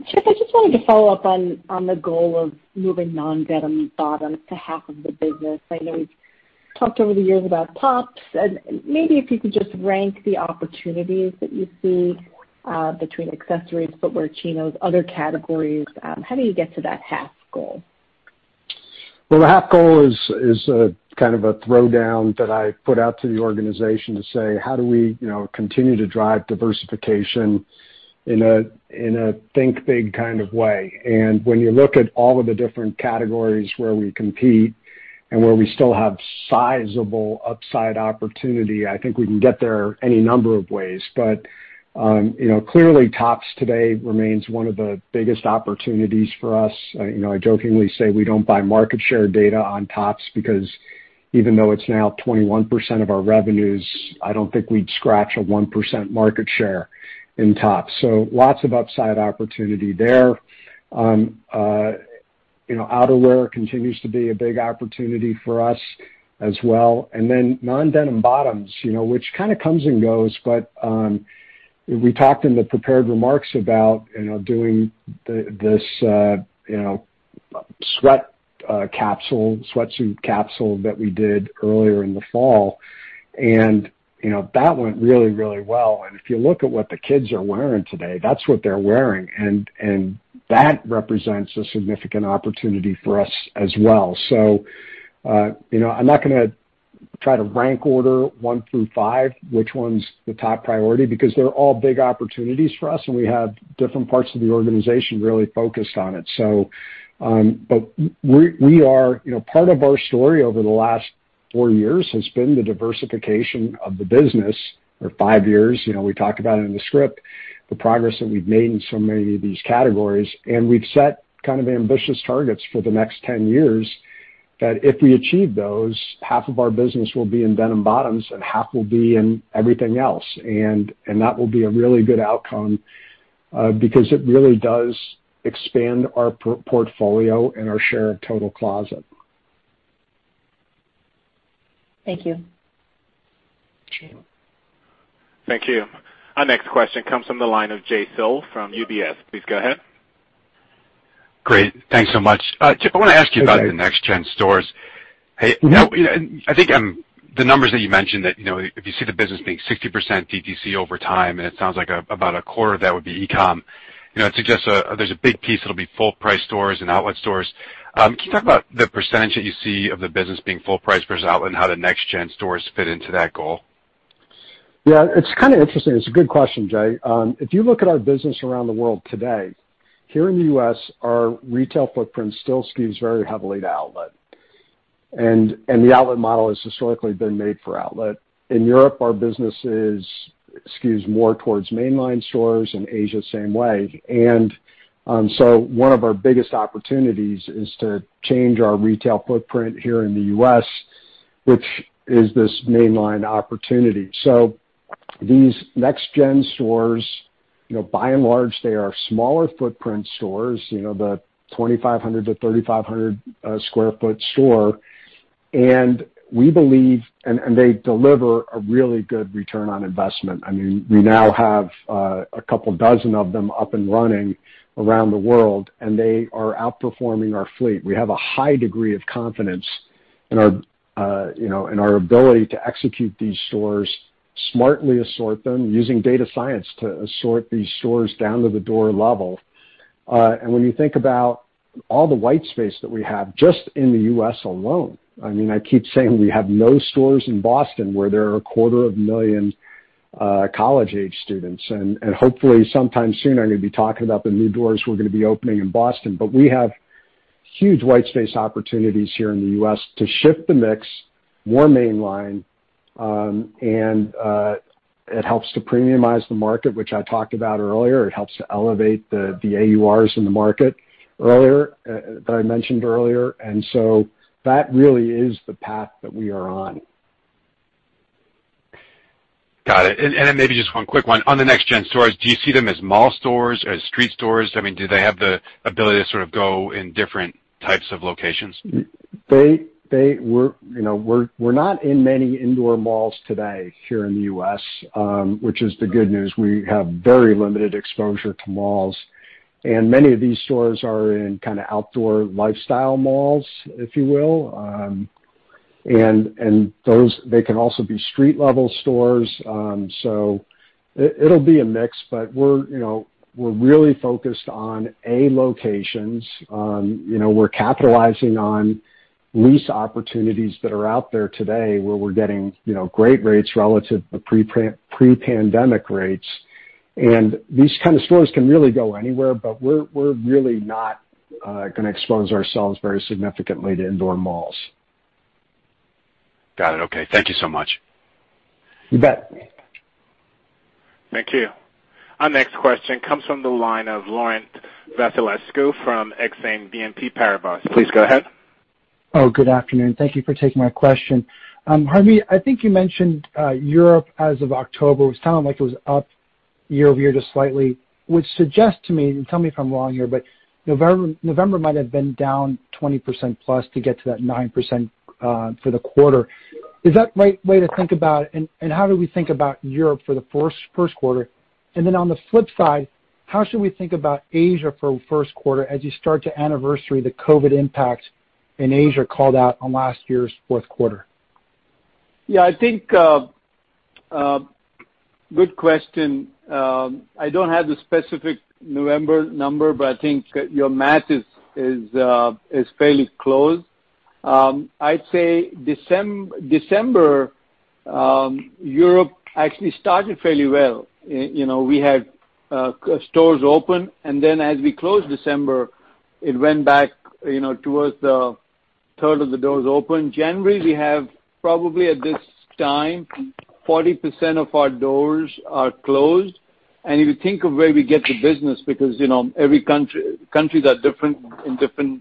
Chip, I just wanted to follow up on the goal of moving non-denim bottoms to half of the business. I know we've talked over the years about tops, and maybe if you could just rank the opportunities that you see between accessories, footwear, chinos, other categories. How do you get to that half goal? Well, the half goal is a throwdown that I put out to the organization to say, how do we continue to drive diversification in a think big kind of way? When you look at all of the different categories where we compete and where we still have sizable upside opportunity, I think we can get there any number of ways. Clearly, tops today remains one of the biggest opportunities for us. I jokingly say we don't buy market share data on tops because even though it's now 21% of our revenues, I don't think we'd scratch a 1% market share in tops. Lots of upside opportunity there. Outerwear continues to be a big opportunity for us as well. Then non-denim bottoms, which kind of comes and goes, but we talked in the prepared remarks about doing this sweatsuit capsule that we did earlier in the fall. That went really, really well. If you look at what the kids are wearing today, that's what they're wearing, and that represents a significant opportunity for us as well. I'm not going to try to rank order one through five which one's the top priority, because they're all big opportunities for us, and we have different parts of the organization really focused on it. Part of our story over the last four years has been the diversification of the business, or five years. We talked about it in the script, the progress that we've made in so many of these categories, and we've set ambitious targets for the next 10 years that if we achieve those, half of our business will be in denim bottoms and half will be in everything else. That will be a really good outcome because it really does expand our portfolio and our share of total closet. Thank you. Sure. Thank you. Our next question comes from the line of Jay Sole from UBS. Please go ahead. Great. Thanks so much. Chip, I want to ask you about the NextGen stores. I think the numbers that you mentioned that if you see the business being 60% DTC over time, and it sounds like about a quarter of that would be e-com, it suggests there's a big piece that'll be full price stores and outlet stores. Can you talk about the percentage that you see of the business being full price versus outlet and how the NextGen stores fit into that goal? It's interesting. It's a good question, Jay. If you look at our business around the world today, here in the U.S., our retail footprint still skews very heavily to outlet. The outlet model has historically been made for outlet. In Europe, our business skews more towards mainline stores, and Asia, same way. One of our biggest opportunities is to change our retail footprint here in the U.S., which is this mainline opportunity. These NextGen stores, by and large, they are smaller footprint stores, the 2,500-3,500 sq ft store. They deliver a really good return on investment. We now have a couple dozen of them up and running around the world, and they are outperforming our fleet. We have a high degree of confidence in our ability to execute these stores, smartly assort them using data science to assort these stores down to the door level. When you think about all the white space that we have just in the U.S. alone, I keep saying we have no stores in Boston where there are a quarter of a million college-age students. Hopefully sometime soon I'm going to be talking about the new doors we're going to be opening in Boston. We have huge white space opportunities here in the U.S. to shift the mix more mainline, and it helps to premiumize the market, which I talked about earlier. It helps to elevate the AURs in the market that I mentioned earlier. That really is the path that we are on. Got it. Then maybe just one quick one. On the NextGen stores, do you see them as mall stores, as street stores? Do they have the ability to sort of go in different types of locations? We're not in many indoor malls today here in the U.S., which is the good news. We have very limited exposure to malls, and many of these stores are in kind of outdoor lifestyle malls, if you will. They can also be street-level stores. It'll be a mix, but we're really focused on A locations. We're capitalizing on lease opportunities that are out there today where we're getting great rates relative to pre-pandemic rates. These kind of stores can really go anywhere, but we're really not going to expose ourselves very significantly to indoor malls. Got it. Okay. Thank you so much. You bet. Thank you. Our next question comes from the line of Laurent Vasilescu from Exane BNP Paribas. Please go ahead. Good afternoon. Thank you for taking my question. Harmit, I think you mentioned Europe as of October. It was sounding like it was up year-over-year just slightly, which suggests to me, and tell me if I'm wrong here, November might have been down 20%+ to get to that 9% for the quarter. Is that right way to think about it? How do we think about Europe for the first quarter? On the flip side, how should we think about Asia for first quarter as you start to anniversary the COVID impact in Asia called out on last year's fourth quarter? Yeah, I think good question. I don't have the specific November number, but I think your math is fairly close. I'd say December, Europe actually started fairly well. We had stores open, and then as we closed December, it went back towards the third of the doors open. January, we have probably at this time, 40% of our doors are closed. If you think of where we get the business, because countries are different in different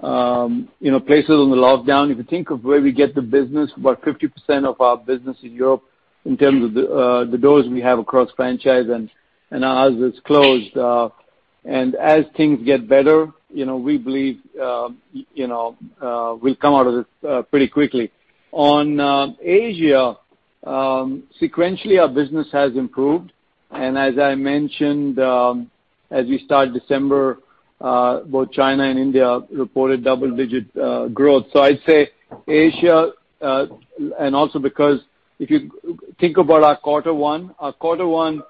places on the lockdown. If you think of where we get the business, about 50% of our business in Europe in terms of the doors we have across franchise and ours is closed. As things get better, we believe we'll come out of this pretty quickly. On Asia, sequentially, our business has improved. As I mentioned, as we start December, both China and India reported double-digit growth. I'd say Asia, and also because if you think about our quarter one, our quarter one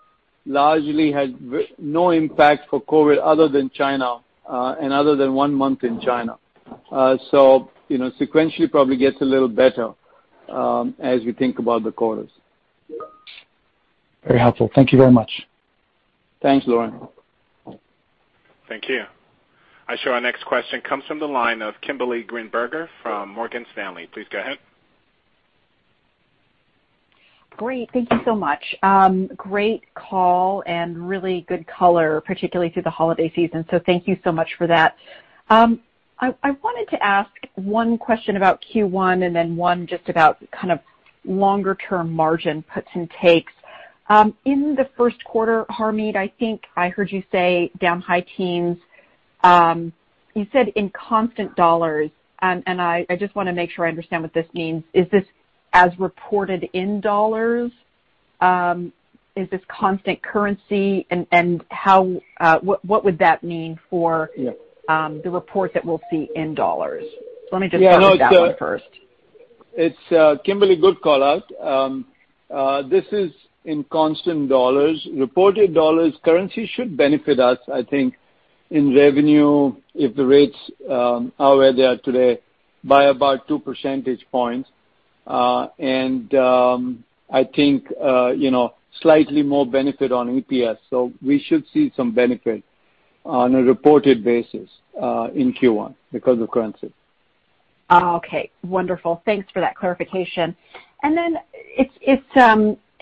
largely had no impact for COVID other than China and other than one month in China. Sequentially probably gets a little better as we think about the quarters. Very helpful. Thank you very much. Thanks, Laurent. Thank you. I show our next question comes from the line of Kimberly Greenberger from Morgan Stanley. Please go ahead. Great. Thank you so much. Great call and really good color, particularly through the holiday season, so thank you so much for that. I wanted to ask one question about Q1 and then one just about kind of longer-term margin puts and takes. In the first quarter, Harmit, I think I heard you say down high teens. You said in constant dollars. I just want to make sure I understand what this means. Is this as reported in dollars? Is this constant currency? What would that mean for? Yeah the report that we'll see in dollars? Let me just start with that one first. Kimberly, good call out. This is in constant dollars. Reported dollars currency should benefit us, I think, in revenue if the rates are where they are today by about two percentage points. I think slightly more benefit on EPS. We should see some benefit on a reported basis in Q1 because of currency. Okay. Wonderful. Thanks for that clarification.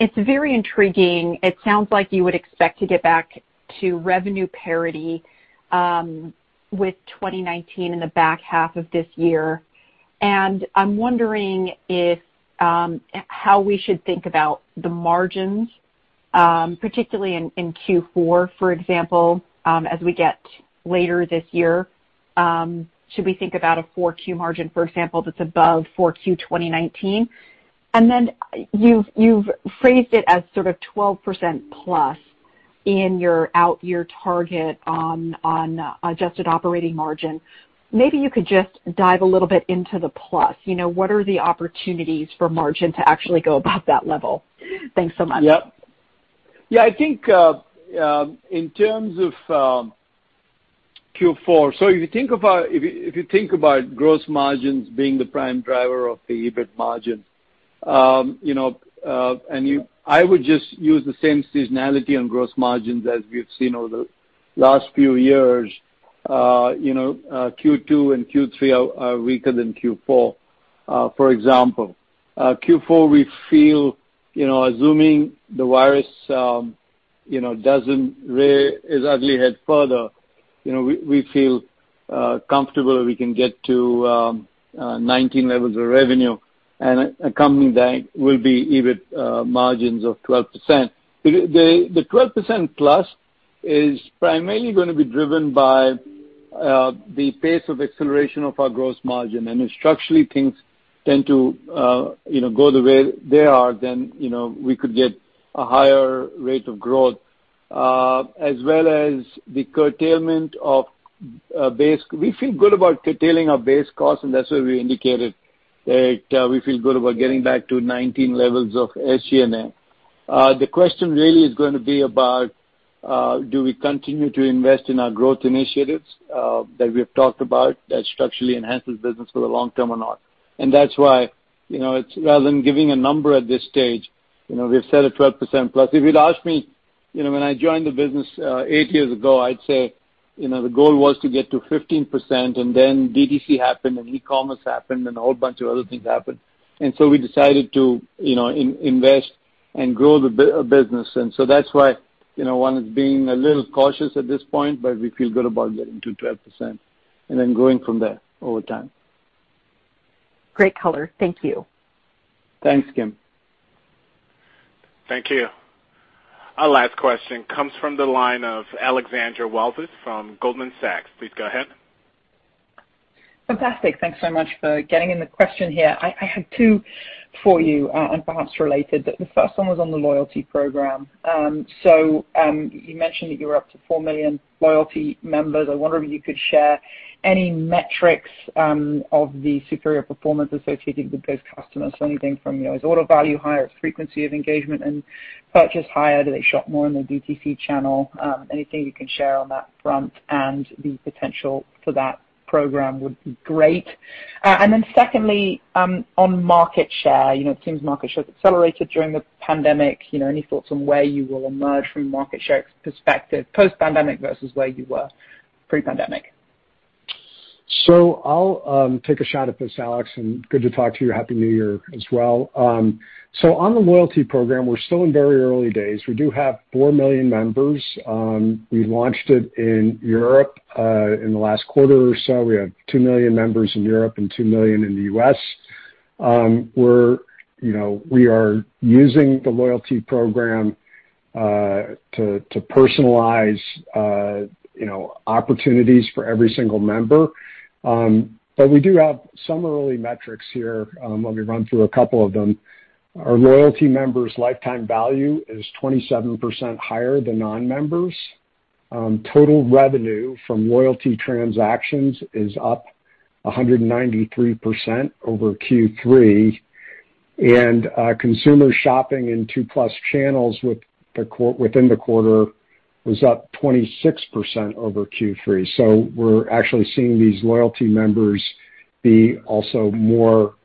It's very intriguing. It sounds like you would expect to get back to revenue parity with 2019 in the back half of this year. I'm wondering how we should think about the margins, particularly in Q4, for example, as we get later this year. Should we think about a 4Q margin, for example, that's above 4Q 2019? You've phrased it as sort of 12% plus in your out year target on adjusted operating margin. Maybe you could just dive a little bit into the plus. What are the opportunities for margin to actually go above that level? Thanks so much. Yep. Yeah, I think, in terms of Q4. If you think about gross margins being the prime driver of the EBIT margin, I would just use the same seasonality on gross margins as we've seen over the last few years. Q2 and Q3 are weaker than Q4. For example, Q4, assuming the virus doesn't rear its ugly head further, we feel comfortable that we can get to 2019 levels of revenue and accompanying that will be EBIT margins of 12%. The 12%+ is primarily going to be driven by the pace of acceleration of our gross margin. If structurally things tend to go the way they are, then we could get a higher rate of growth, as well as the curtailment of base. We feel good about curtailing our base costs, and that's why we indicated that we feel good about getting back to 2019 levels of SG&A. The question really is going to be about, do we continue to invest in our growth initiatives that we have talked about that structurally enhances business for the long term or not? That's why rather than giving a number at this stage, we've said a 12%+. If you'd asked me when I joined the business eight years ago, I'd say the goal was to get to 15%, and then DTC happened, and e-commerce happened, and a whole bunch of other things happened. We decided to invest and grow the business. That's why one is being a little cautious at this point, but we feel good about getting to 12% and then growing from there over time. Great color. Thank you. Thanks, Kim. Thank you. Our last question comes from the line of Alexandra Walvis from Goldman Sachs. Please go ahead. Fantastic. Thanks so much for getting in the question here. I have two for you, and perhaps related. The first one was on the loyalty program. You mentioned that you were up to four million loyalty members. I wonder if you could share any metrics of the superior performance associated with those customers. Anything from, is order value higher? Is frequency of engagement and purchase higher? Do they shop more in the DTC channel? Anything you can share on that front and the potential for that program would be great. Secondly, on market share. It seems market share has accelerated during the pandemic. Any thoughts on where you will emerge from a market share perspective post-pandemic versus where you were pre-pandemic? I'll take a shot at this, Alex, and good to talk to you. Happy New Year as well. On the loyalty program, we're still in very early days. We do have 4 million members. We launched it in Europe in the last quarter or so. We have two million members in Europe and two million in the U.S. We are using the loyalty program to personalize opportunities for every single member. We do have some early metrics here. Let me run through a couple of them. Our loyalty members' lifetime value is 27% higher than non-members. Total revenue from loyalty transactions is up 193% over Q3, and consumer shopping in two-plus channels within the quarter was up 26% over Q3. We're actually seeing these loyalty members be also more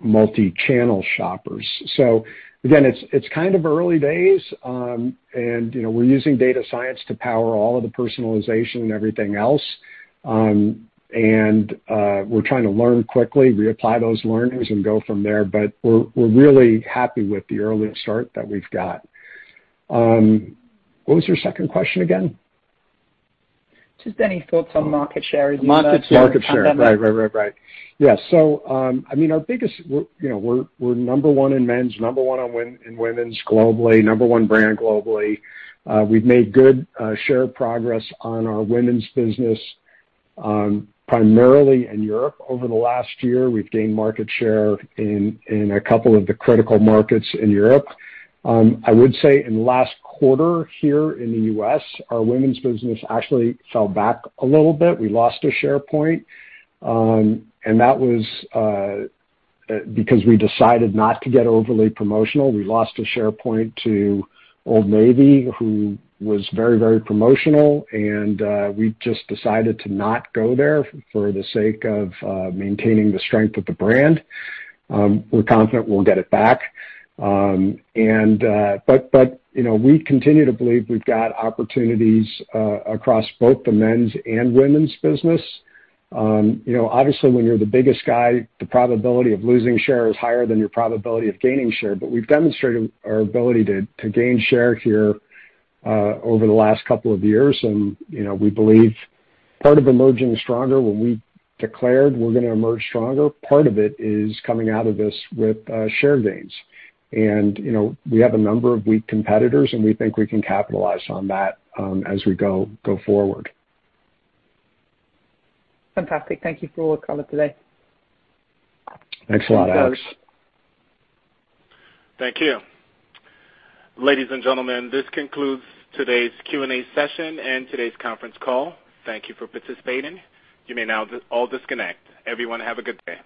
multi-channel shoppers. Again, it's kind of early days, and we're using data science to power all of the personalization and everything else. We're trying to learn quickly, reapply those learnings, and go from there. We're really happy with the early start that we've got. What was your second question again? Any thoughts on market share as you emerge from the pandemic? Market share. Right. Yeah. We're number one in men's, number one in women's globally, number one brand globally. We've made good share progress on our women's business, primarily in Europe. Over the last year, we've gained market share in a couple of the critical markets in Europe. I would say in the last quarter here in the U.S., our women's business actually fell back a little bit. We lost a share point. That was because we decided not to get overly promotional. We lost a share point to Old Navy, who was very promotional, and we just decided to not go there for the sake of maintaining the strength of the brand. We're confident we'll get it back. We continue to believe we've got opportunities across both the men's and women's business. When you're the biggest guy, the probability of losing share is higher than your probability of gaining share. We've demonstrated our ability to gain share here over the last couple of years, and we believe part of emerging stronger, when we declared we're going to emerge stronger, part of it is coming out of this with share gains. We have a number of weak competitors, and we think we can capitalize on that as we go forward. Fantastic. Thank you for all the color today. Thanks a lot, Alex. Thank you. Ladies and gentlemen, this concludes today's Q&A session and today's conference call. Thank you for participating. You may now all disconnect. Everyone, have a good day.